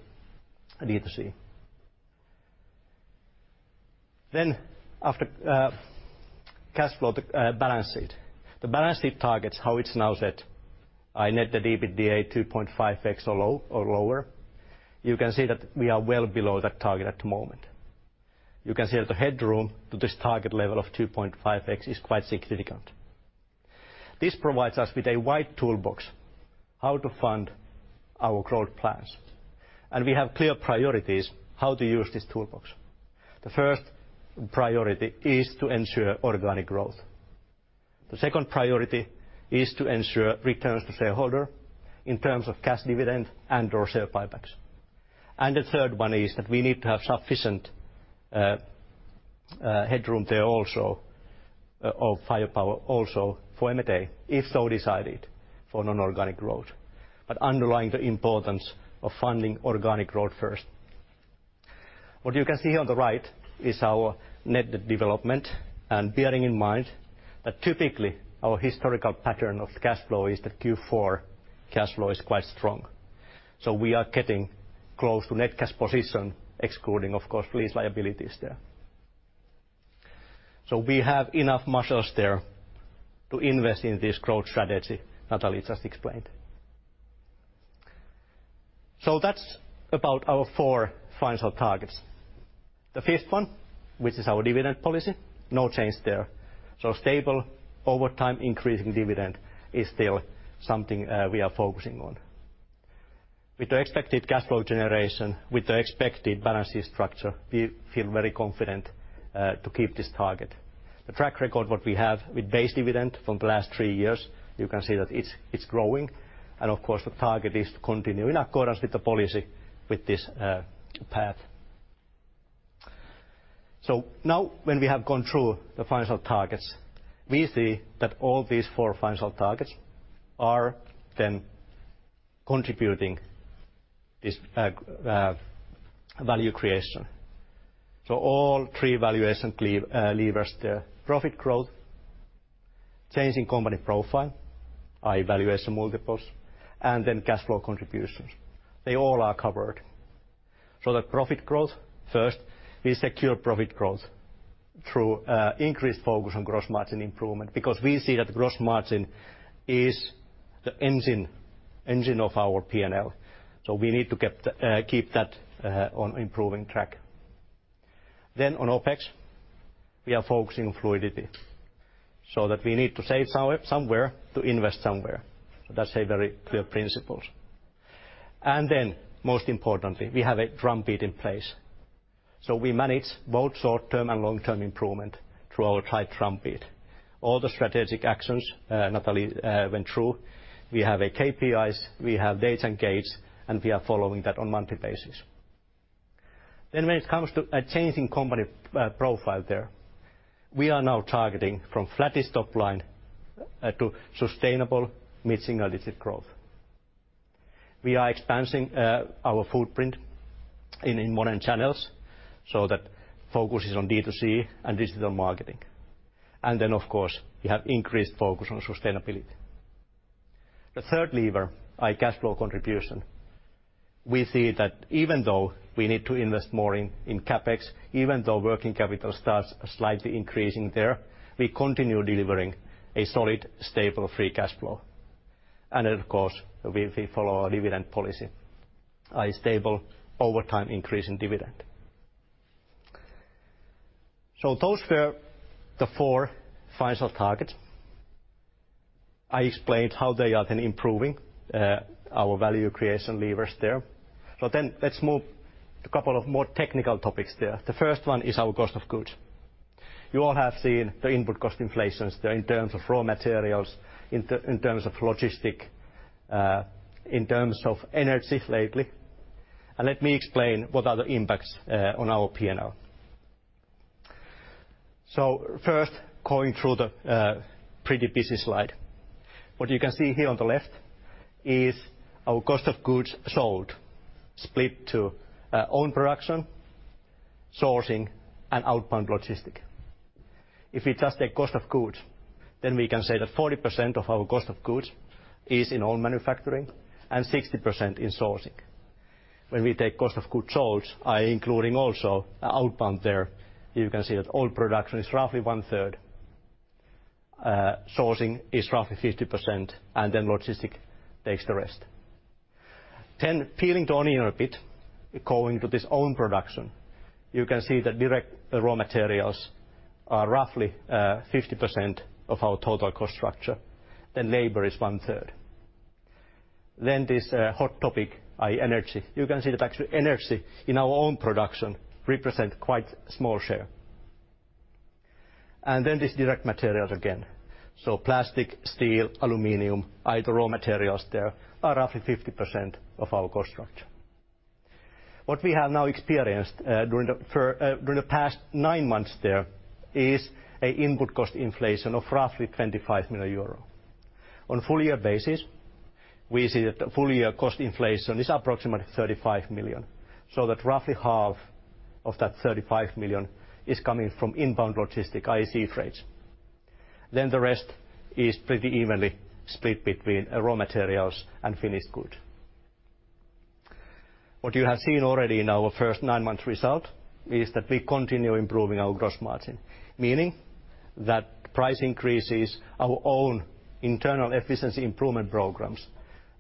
D2C. After cash flow, the balance sheet. The balance sheet targets, how it's now set, are net debt to EBITDA 2.5x or lower. You can see that we are well below that target at the moment. You can see that the headroom to this target level of 2.5x is quite significant. This provides us with a wide toolbox how to fund our growth plans, and we have clear priorities how to use this toolbox. The first priority is to ensure organic growth. The second priority is to ensure returns to shareholder in terms of cash dividend and/or share buybacks. The third one is that we need to have sufficient headroom there also or firepower also for M&A, if so decided for non-organic growth. Underlying the importance of funding organic growth first. What you can see on the right is our net development, and bearing in mind that typically our historical pattern of cash flow is that Q4 cash flow is quite strong. We are getting close to net cash position, excluding of course lease liabilities there. We have enough muscles there to invest in this growth strategy Nathalie just explained. That's about our four financial targets. The fifth one, which is our dividend policy, no change there. Stable over time increasing dividend is still something we are focusing on. With the expected cash flow generation, with the expected balance sheet structure, we feel very confident to keep this target. The track record that we have with base dividend from the last three years, you can see that it's growing. Of course, the target is to continue in accordance with the policy with this path. Now when we have gone through the financial targets, we see that all these four financial targets are then contributing this value creation. All three valuation levers there, profit growth, change in company profile, valuation multiples, and then cash flow contributions. They all are covered. The profit growth, first we secure profit growth through increased focus on gross margin improvement because we see that the gross margin is the engine of our P&L. We need to keep that on improving track. Then on OpEx, we are focusing on flexibility so that we need to save somewhere to invest somewhere. That's a very clear principles. Then most importantly, we have a drumbeat in place. We manage both short-term and long-term improvement through our tight drumbeat. All the strategic actions, Nathalie, went through, we have KPIs, we have dates and gates, and we are following that on monthly basis. When it comes to a change in company profile there, we are now targeting from flattish top line to sustainable mid-single-digit growth. We are expanding our footprint in modern channels, so that focus is on D2C and digital marketing. Of course, we have increased focus on Sustainability. The third lever, our cash flow contribution, we see that even though we need to invest more in CapEx, even though working capital starts slightly increasing there, we continue delivering a solid, stable free cash flow. Of course, we follow our dividend policy, a stable over time increase in dividend. Those were the four final targets. I explained how they are then improving our value creation levers there. Let's move a couple of more technical topics there. The first one is our cost of goods. You all have seen the input cost inflations there in terms of raw materials, in terms of logistics, in terms of energy lately. Let me explain what are the impacts on our P&L. First, going through the pretty busy slide. What you can see here on the left is our cost of goods sold split to own production, sourcing, and outbound logistics. If we just take cost of goods, then we can say that 40% of our cost of goods is in own manufacturing and 60% in sourcing. When we take cost of goods sold, including also outbound there, you can see that own production is roughly 1/3, sourcing is roughly 50%, and then logistics takes the rest. Peeling the onion a bit, going to this own production, you can see that direct raw materials are roughly 50% of our total cost structure, then labor is one-third. This hot topic, energy. You can see that actually energy in our own production represent quite small share. These direct materials again. Plastic, steel, aluminum, other raw materials there are roughly 50% of our cost structure. What we have now experienced during the past nine months there is an input cost inflation of roughly 25 million euro. On a full-year basis, we see that the full-year cost inflation is approximately 35 million, so that roughly half of that 35 million is coming from inbound logistic, i.e., sea freight. The rest is pretty evenly split between raw materials and finished goods. What you have seen already in our first nine-month result is that we continue improving our gross margin, meaning that price increases and our own internal efficiency improvement programs.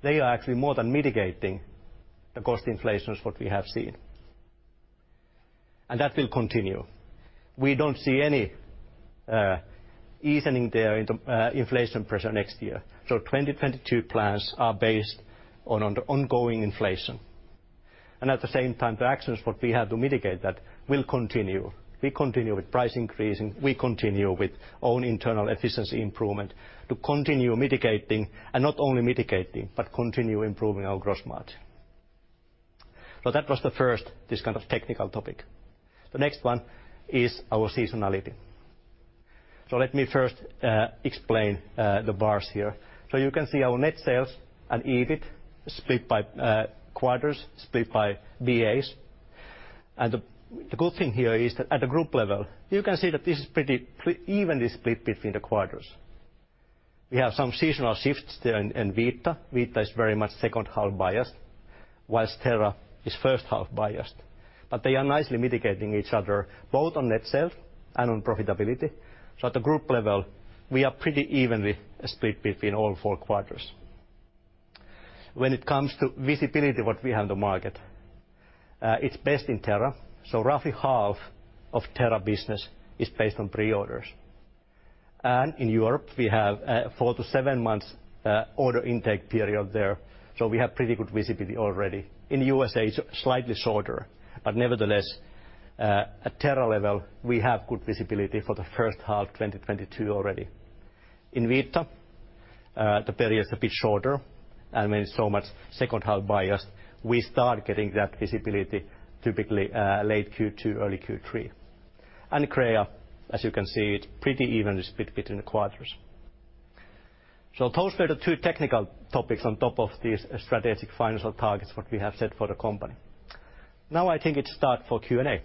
They are actually more than mitigating the cost inflation that we have seen. That will continue. We don't see any easing there in the inflation pressure next year. 2022 plans are based on an ongoing inflation. At the same time, the actions that we have to mitigate that will continue. We continue with price increasing, we continue with own internal efficiency improvement to continue mitigating, and not only mitigating, but continue improving our gross margin. That was the first, this kind of technical topic. The next one is our seasonality. Let me first explain the bars here. You can see our net sales and EBIT split by quarters, split by BAs. The good thing here is that at the group level, you can see that this is pretty evenly split between the quarters. We have some seasonal shifts there in Vita. Vita is very much second half biased, while Terra is first half biased. They are nicely mitigating each other, both on net sales and on profitability. At the group level, we are pretty evenly split between all four quarters. When it comes to visibility what we have in the market, it's best in Terra. Roughly half of Terra business is based on pre-orders. In Europe, we have afour to seven months order intake period there, so we have pretty good visibility already. In U.S.A., it's slightly shorter, but nevertheless, at Terra level, we have good visibility for the first half 2022 already. In Vita, the period is a bit shorter, and when it's so much second half biased, we start getting that visibility typically, late Q2, early Q3. Crea, as you can see, it's pretty evenly split between the quarters. Those were the two technical topics on top of these strategic financial targets that we have set for the company. Now I think it's time to start Q&A.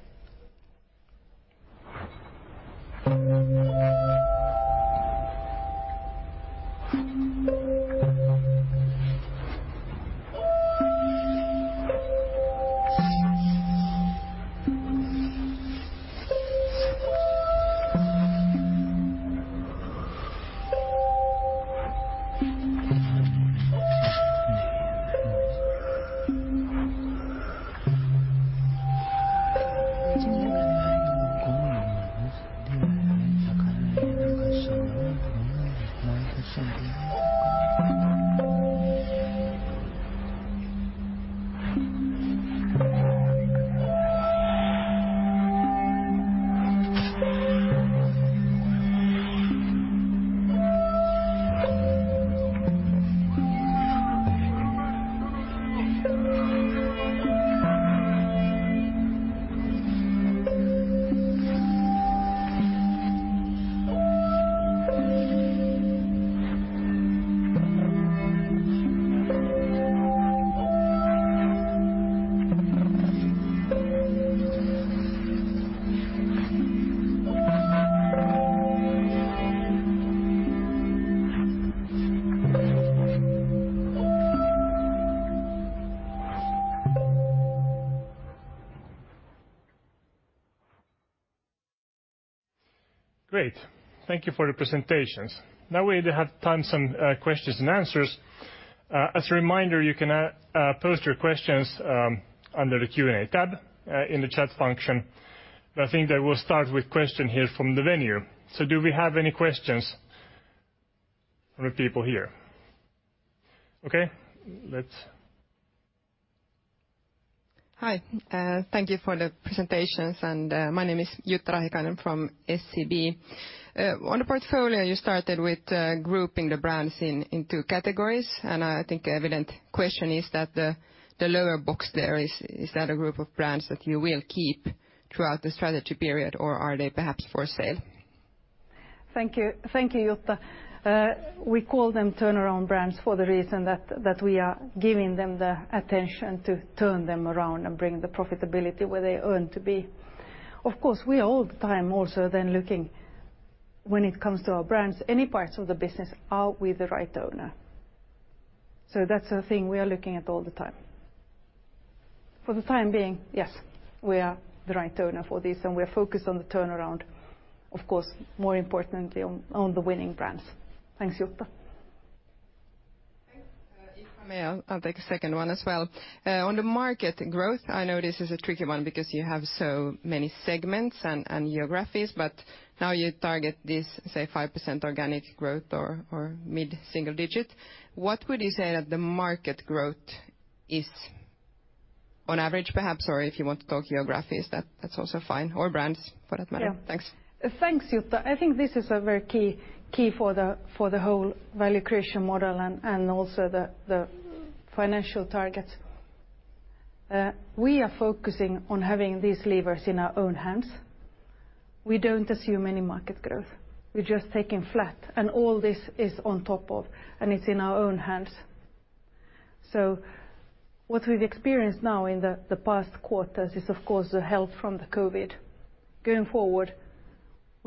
Great. Thank you for the presentations. Now we have some time for questions-and-answers. As a reminder, you can post your questions under the Q&A tab in the chat function. I think that we'll start with a question here from the venue. Do we have any questions from the people here? Okay. Let's Hi, thank you for the presentations. My name is Jutta Rahikainen from SEB. On the portfolio, you started with grouping the brands into categories, and I think the evident question is, the lower box there, is that a group of brands that you will keep throughout the strategy period, or are they perhaps for sale? Thank you. Thank you, Jutta. We call them turnaround brands for the reason that we are giving them the attention to turn them around and bring the profitability where they earn to be. Of course, we are all the time also then looking, when it comes to our brands, any parts of the business, are we the right owner? That's a thing we are looking at all the time. For the time being, yes, we are the right owner for this, and we're focused on the turnaround, of course, more importantly on the winning brands. Thanks, Jutta. If I may, I'll take a second one as well. On the market growth, I know this is a tricky one because you have so many segments and geographies, but now you target this, say, 5% organic growth or mid-single-digit. What would you say that the market growth is on average, perhaps? Or if you want to talk geographies, that's also fine, or brands for that matter. Yeah. Thanks. Thanks, Jutta. I think this is a very key for the whole value creation model and also the financial targets. We are focusing on having these levers in our own hands. We don't assume any market growth. We're just taking flat, and all this is on top of, and it's in our own hands. What we've experienced now in the past quarters is, of course, the help from the COVID. Going forward,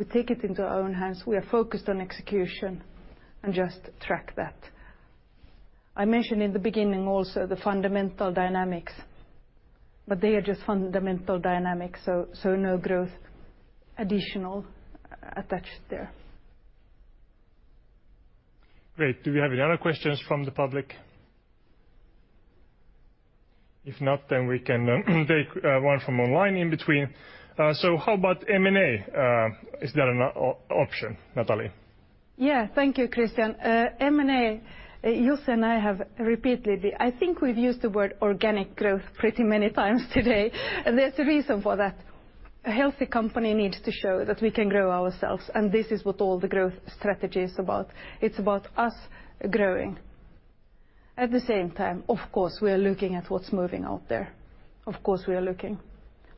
we take it into our own hands. We are focused on execution and just track that. I mentioned in the beginning also the fundamental dynamics, but they are just fundamental dynamics, so no growth additional attached there. Great. Do we have any other questions from the public? If not, then we can take one from online in between. How about M&A, is that an option, Nathalie? Yeah. Thank you, Kristian. M&A, Jussi and I have repeatedly. I think we've used the word organic growth pretty many times today, and there's a reason for that. A healthy company needs to show that we can grow ourselves, and this is what all the growth strategy is about. It's about us growing. At the same time, of course, we are looking at what's moving out there. Of course, we are looking.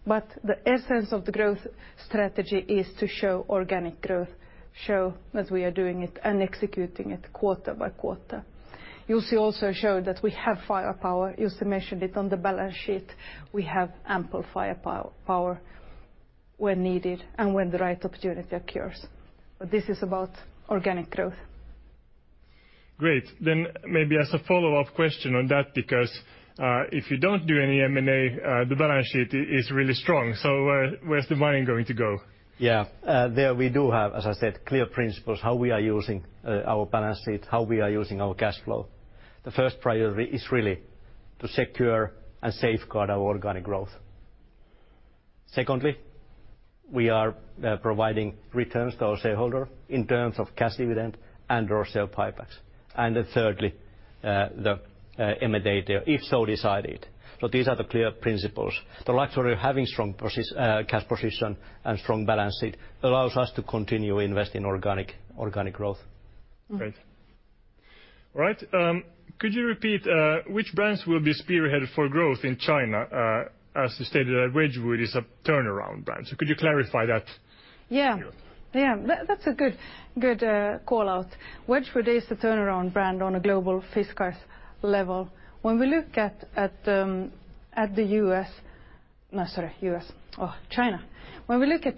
The essence of the growth strategy is to show organic growth, show that we are doing it and executing it quarter-by-quarter. Jussi also showed that we have firepower. Jussi mentioned it on the balance sheet. We have ample firepower where needed and when the right opportunity occurs. This is about organic growth. Great. Maybe as a follow-up question on that, because, if you don't do any M&A, the balance sheet is really strong. Where's the money going to go? Yeah. There we do have, as I said, clear principles how we are using our balance sheet, how we are using our cash flow. The first priority is really to secure and safeguard our organic growth. Secondly, we are providing returns to our shareholder in terms of cash dividend and or share buybacks. Thirdly, the M&A there, if so decided. These are the clear principles. The luxury of having strong cash position and strong balance sheet allows us to continue to invest in organic growth. Great. All right, could you repeat which brands will be spearheaded for growth in China? As you stated, Wedgwood is a turnaround brand. Could you clarify that? Yeah. That's a good call-out. Wedgwood is a turnaround brand on a global Fiskars level. When we look at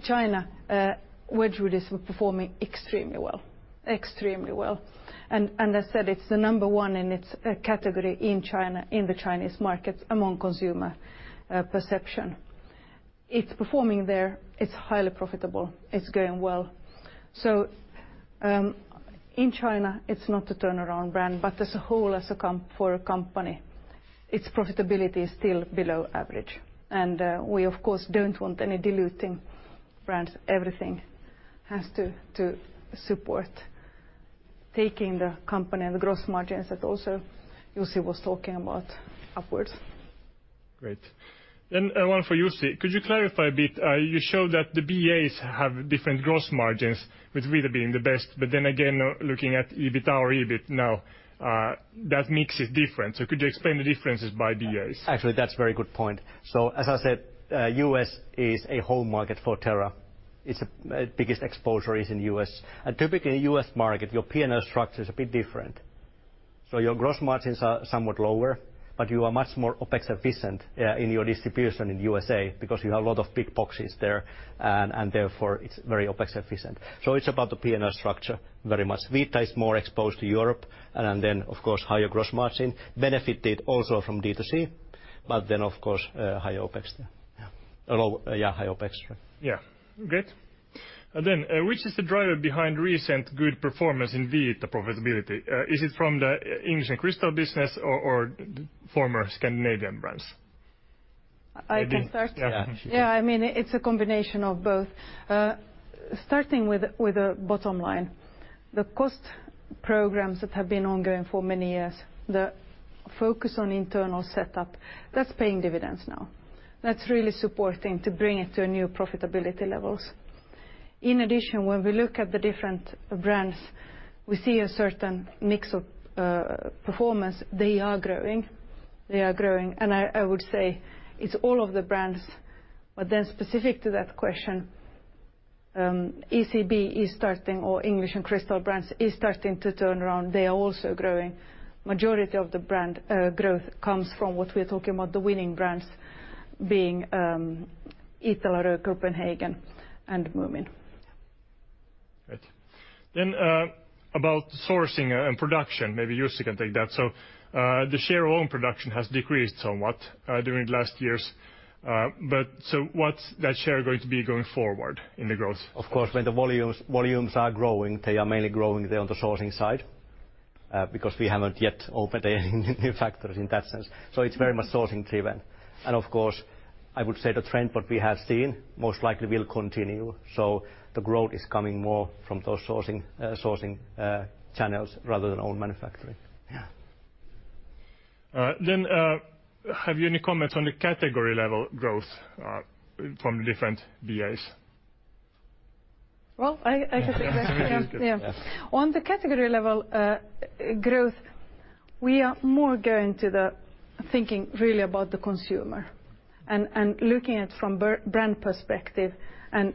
China, Wedgwood is performing extremely well. I said it's the number one in its category in China, in the Chinese markets among consumer perception. It's performing there. It's highly profitable. It's going well. In China, it's not a turnaround brand, but as a whole, as a company, its profitability is still below average. We of course don't want any diluting brands. Everything has to support taking the company and the gross margins that also Jussi was talking about upwards. Great. One for Jussi. Could you clarify a bit, you showed that the BAs have different gross margins with Vita being the best, but then again looking at EBITDA or EBIT now, that mix is different. Could you explain the differences by BAs? Actually, that's a very good point. As I said, U.S. is a home market for Terra. Its biggest exposure is in U.S. Typically U.S. market, your P&L structure is a bit different. Your gross margins are somewhat lower, but you are much more OpEx efficient, yeah, in your distribution in U.S. because you have a lot of big boxes there, and therefore it's very OpEx efficient. It's about the P&L structure very much. Vita is more exposed to Europe, and then of course, higher gross margin benefited also from D2C, but then of course, higher OpEx there. Yeah, high OpEx there. Yeah. Great. Which is the driver behind recent good performance in Vita profitability? Is it from the English & Crystal business or former Scandinavian brands? I can start. Yeah. Yeah, I mean, it's a combination of both. Starting with the bottom line, the cost programs that have been ongoing for many years, the focus on internal setup, that's paying dividends now. That's really supporting to bring it to new profitability levels. In addition, when we look at the different brands, we see a certain mix of performance. They are growing. I would say it's all of the brands. Specific to that question, English & Crystal Brands is starting to turn around. They are also growing. Majority of the brand growth comes from what we're talking about, the winning brands being Iittala, Royal Copenhagen, and Moomin. Great. About sourcing and production, maybe Jussi can take that. The share of own production has decreased somewhat during the last years. But what's that share going to be going forward in the growth? Of course, when the volumes are growing, they are mainly growing there on the sourcing side, because we haven't yet opened any new factories in that sense. It's very much sourcing driven. Of course, I would say the trend what we have seen most likely will continue. The growth is coming more from those sourcing channels rather than own manufacturing. Yeah. Have you any comments on the category level growth, from the different BAs? Well, I can take that. Yeah. Yes. On the category level, growth, we are more going to the thinking really about the consumer and looking at it from brand perspective and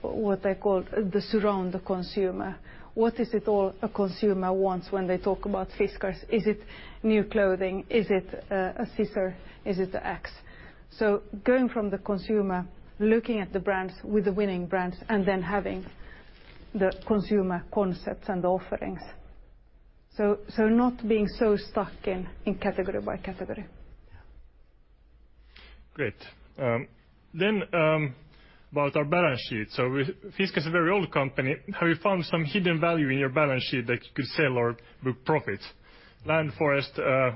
what I call the surround the consumer. What is it all a consumer wants when they talk about Fiskars? Is it new clothing? Is it a scissor? Is it the axe? Going from the consumer, looking at the brands with the winning brands, and then having the consumer concepts and offerings. Not being so stuck in category by category. Great. About our balance sheet. Fiskars is a very old company. Have you found some hidden value in your balance sheet that you could sell or book profit? Land, forest,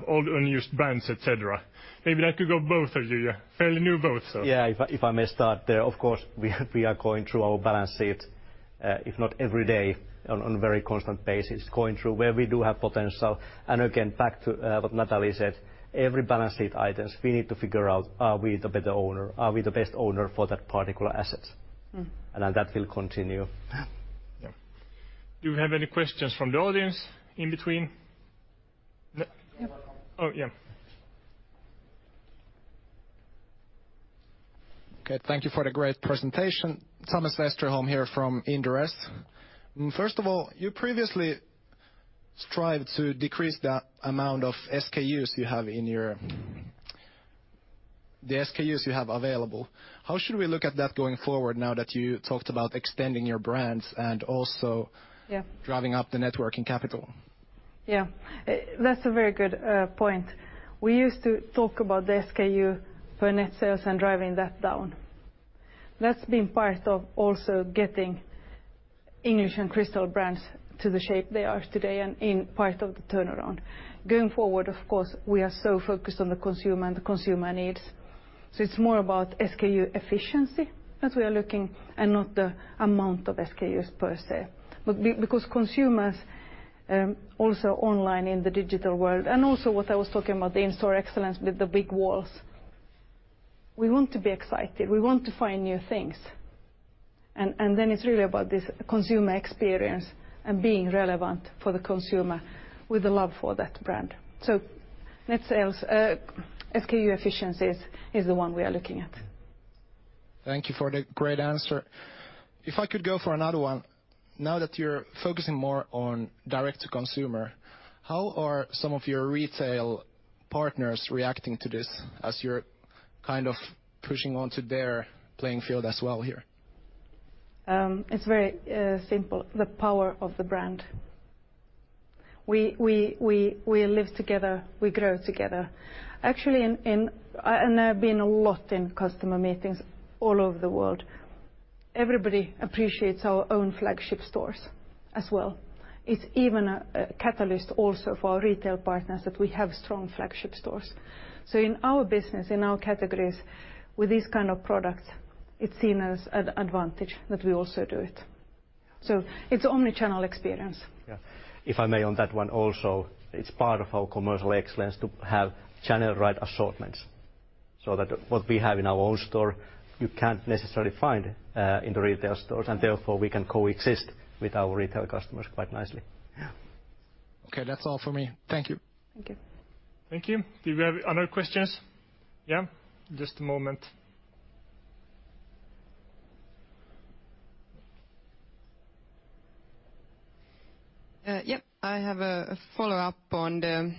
old unused brands, et cetera. Maybe that could go both of you. Yeah. Fairly new both, so. Yeah, if I may start there. Of course, we are going through our balance sheet, if not every day, on a very constant basis, going through where we do have potential. Again, back to what Nathalie said, every balance sheet items we need to figure out are we the better owner, are we the best owner for that particular assets That will continue. Yeah. Yeah. Do you have any questions from the audience in between? No? There were some. Oh, yeah. Okay, thank you for the great presentation. Thomas Westerholm here from Inderes. First of all, you previously strived to decrease the amount of SKUs you have available. How should we look at that going forward now that you talked about extending your brands and also- Yeah. driving up the net working capital? Yeah. That's a very good point. We used to talk about the SKU per net sales and driving that down. That's been part of also getting English & Crystal Living to the shape they are today and in part of the turnaround. Going forward, of course, we are so focused on the consumer and the consumer needs. It's more about SKU efficiency that we are looking and not the amount of SKUs per se. Because consumers also online in the digital world, and also what I was talking about, the in-store excellence with the big walls. We want to be excited, we want to find new things. Then it's really about this consumer experience and being relevant for the consumer with a love for that brand. Net sales SKU efficiencies is the one we are looking at. Thank you for the great answer. If I could go for another one. Now that you're focusing more on Direct-to-Consumer, how are some of your retail partners reacting to this as you're kind of pushing onto their playing field as well here? It's very simple, the power of the brand. We live together, we grow together. Actually, I've been a lot in customer meetings all over the world, everybody appreciates our own flagship stores as well. It's even a catalyst also for our retail partners that we have strong flagship stores. In our business, in our categories, with these kind of products, it's seen as an advantage that we also do it. It's omni-channel experience. Yeah. If I may on that one also, it's part of our commercial excellence to have channel right assortments, so that what we have in our own store, you can't necessarily find in the retail stores, and therefore we can coexist with our retail customers quite nicely. Yeah. Okay, that's all for me. Thank you. Thank you. Thank you. Do we have other questions? Yeah. Just a moment. I have a follow-up on the,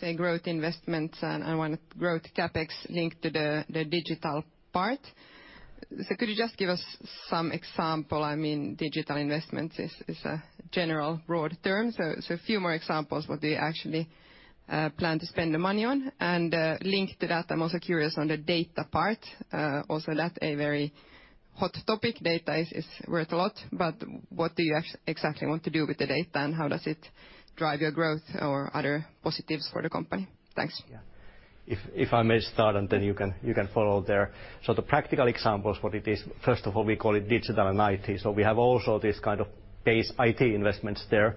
say, growth investments, and I want growth CapEx linked to the digital part. Could you just give us some example? I mean, digital investments is a general broad term, so a few more examples what they actually plan to spend the money on. Linked to that, I'm also curious on the data part, also that a very hot topic, data is worth a lot, but what do you exactly want to do with the data, and how does it drive your growth or other positives for the company? Thanks. Yeah. If I may start, and then you can follow there. The practical examples, what it is, first of all, we call it digital and IT. We have also this kind of base IT investments there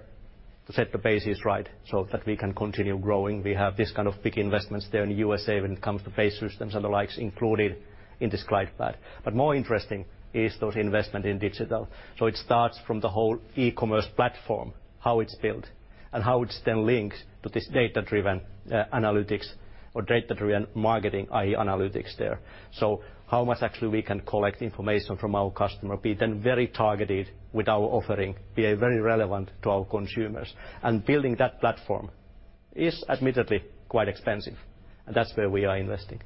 to set the bases right so that we can continue growing. We have this kind of big investments there in the U.S. when it comes to base systems and the likes included in this slide pack. But more interesting is those investments in digital. It starts from the whole e-commerce platform, how it's built, and how it's then linked to this data-driven analytics or data-driven marketing, i.e. analytics there. How much actually we can collect information from our customer, be then very targeted with our offering, be very relevant to our consumers, and building that platform is admittedly quite expensive, and that's where we are investing.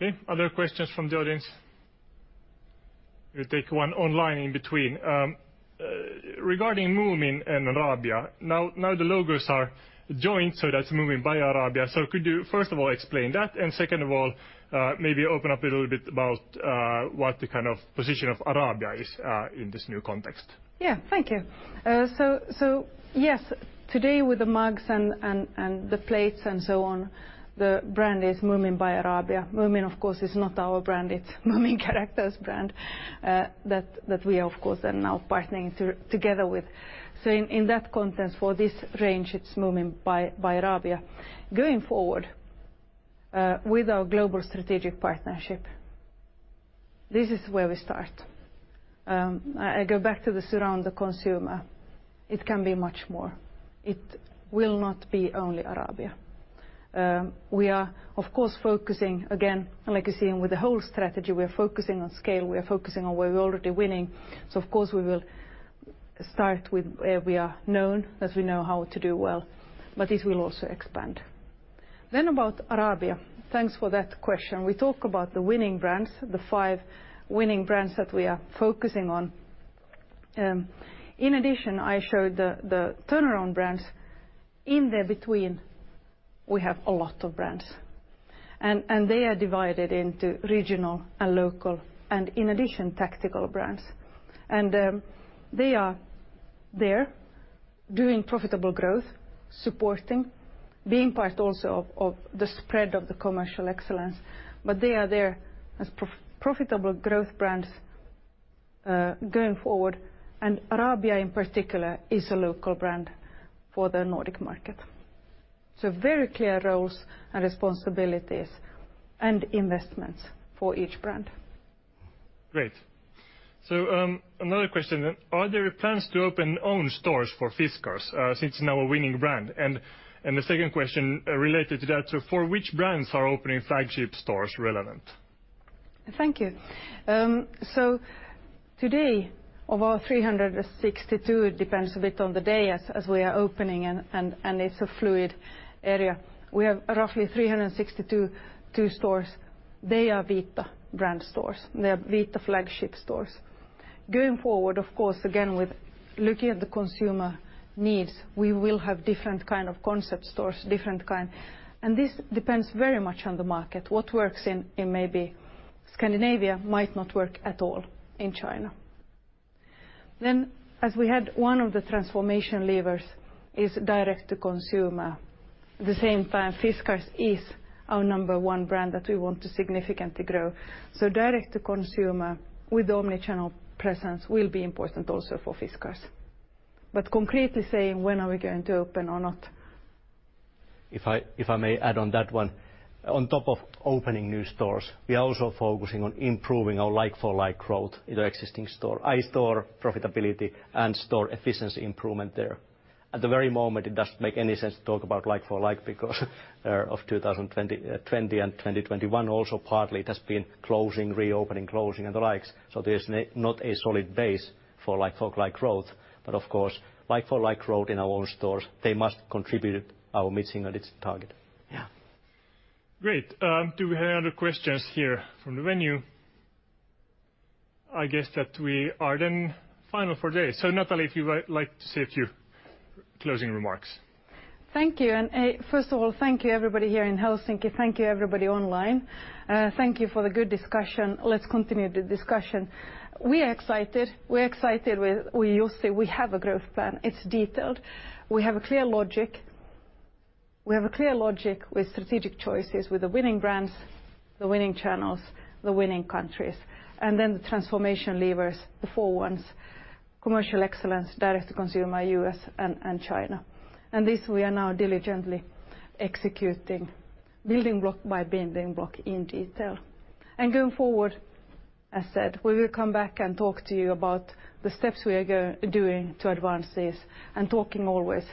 Yeah. Okay. Other questions from the audience? We'll take one online in between. Regarding Moomin and Arabia, now the logos are joined, so that's Moomin by Arabia. Could you, first of all, explain that, and second of all, maybe open up a little bit about what the kind of position of Arabia is in this new context? Yeah, thank you. Yes, today with the mugs and the plates and so on, the brand is Moomin by Arabia. Moomin, of course, is not our brand, it's Moomin Characters brand that we of course are now partnering together with. In that context, for this range, it's Moomin by Arabia. Going forward, with our global strategic partnership, this is where we start. I go back to surrounding the consumer. It can be much more. It will not be only Arabia. We are of course focusing again, like you see with the whole strategy, we are focusing on scale, we are focusing on where we're already winning, so of course we will start with where we are known, as we know how to do well, but this will also expand. About Arabia, thanks for that question. We talk about the winning brands, the five winning brands that we are focusing on. In addition, I showed the turnaround brands. In there between, we have a lot of brands, and they are divided into regional and local, and in addition, tactical brands. They are there doing profitable growth, supporting, being part also of the spread of the commercial excellence, but they are there as profitable growth brands, going forward. Arabia in particular is a local brand for the Nordic market. Very clear roles and responsibilities and investments for each brand. Great. Another question. Are there plans to open own stores for Fiskars, since now a winning brand? The second question related to that, for which brands are opening flagship stores relevant? Thank you. So today, of our 362, it depends a bit on the day as we are opening and it's a fluid area. We have roughly 362 stores. They are Vita brand stores. They are Vita flagship stores. Going forward, of course, again, with looking at the consumer needs, we will have different kind of concept stores. This depends very much on the market. What works in maybe Scandinavia might not work at all in China. As one of the transformation levers is Direct-to-Consumer. At the same time, Fiskars is our number one brand that we want to significantly grow. Direct-to-Consumer with omni-channel presence will be important also for Fiskars. But concretely saying when are we going to open or not. If I may add on that one. On top of opening new stores, we are also focusing on improving our like-for-like growth in our existing store profitability and store efficiency improvement there. At the very moment, it doesn't make any sense to talk about like-for-like because of 2020 and 2021 also partly it has been closing, reopening, closing and the like. There's not a solid base for like-for-like growth. Of course, like-for-like growth in our own stores, they must contribute to meeting our targets. Yeah. Great. Do we have other questions here from the venue? I guess that we are then final for today. Nathalie, if you would like to say a few closing remarks. Thank you. First of all, thank you everybody here in Helsinki. Thank you everybody online. Thank you for the good discussion. Let's continue the discussion. We are excited with Jussi, we have a growth plan. It's detailed. We have a clear logic with strategic choices, with the winning brands, the winning channels, the winning countries, and then the transformation levers, the four ones, commercial excellence, Direct-to-Consumer, U.S. and China. This we are now diligently executing building block by building block in detail. Going forward, as said, we will come back and talk to you about the steps we are doing to advance this and talking always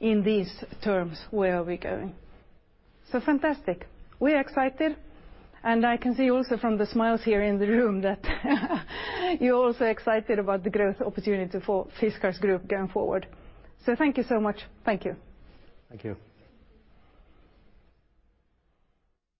in these terms, where are we going. Fantastic. We're excited, and I can see also from the smiles here in the room that you're also excited about the growth opportunity for Fiskars Group going forward. Thank you so much. Thank you. Thank you.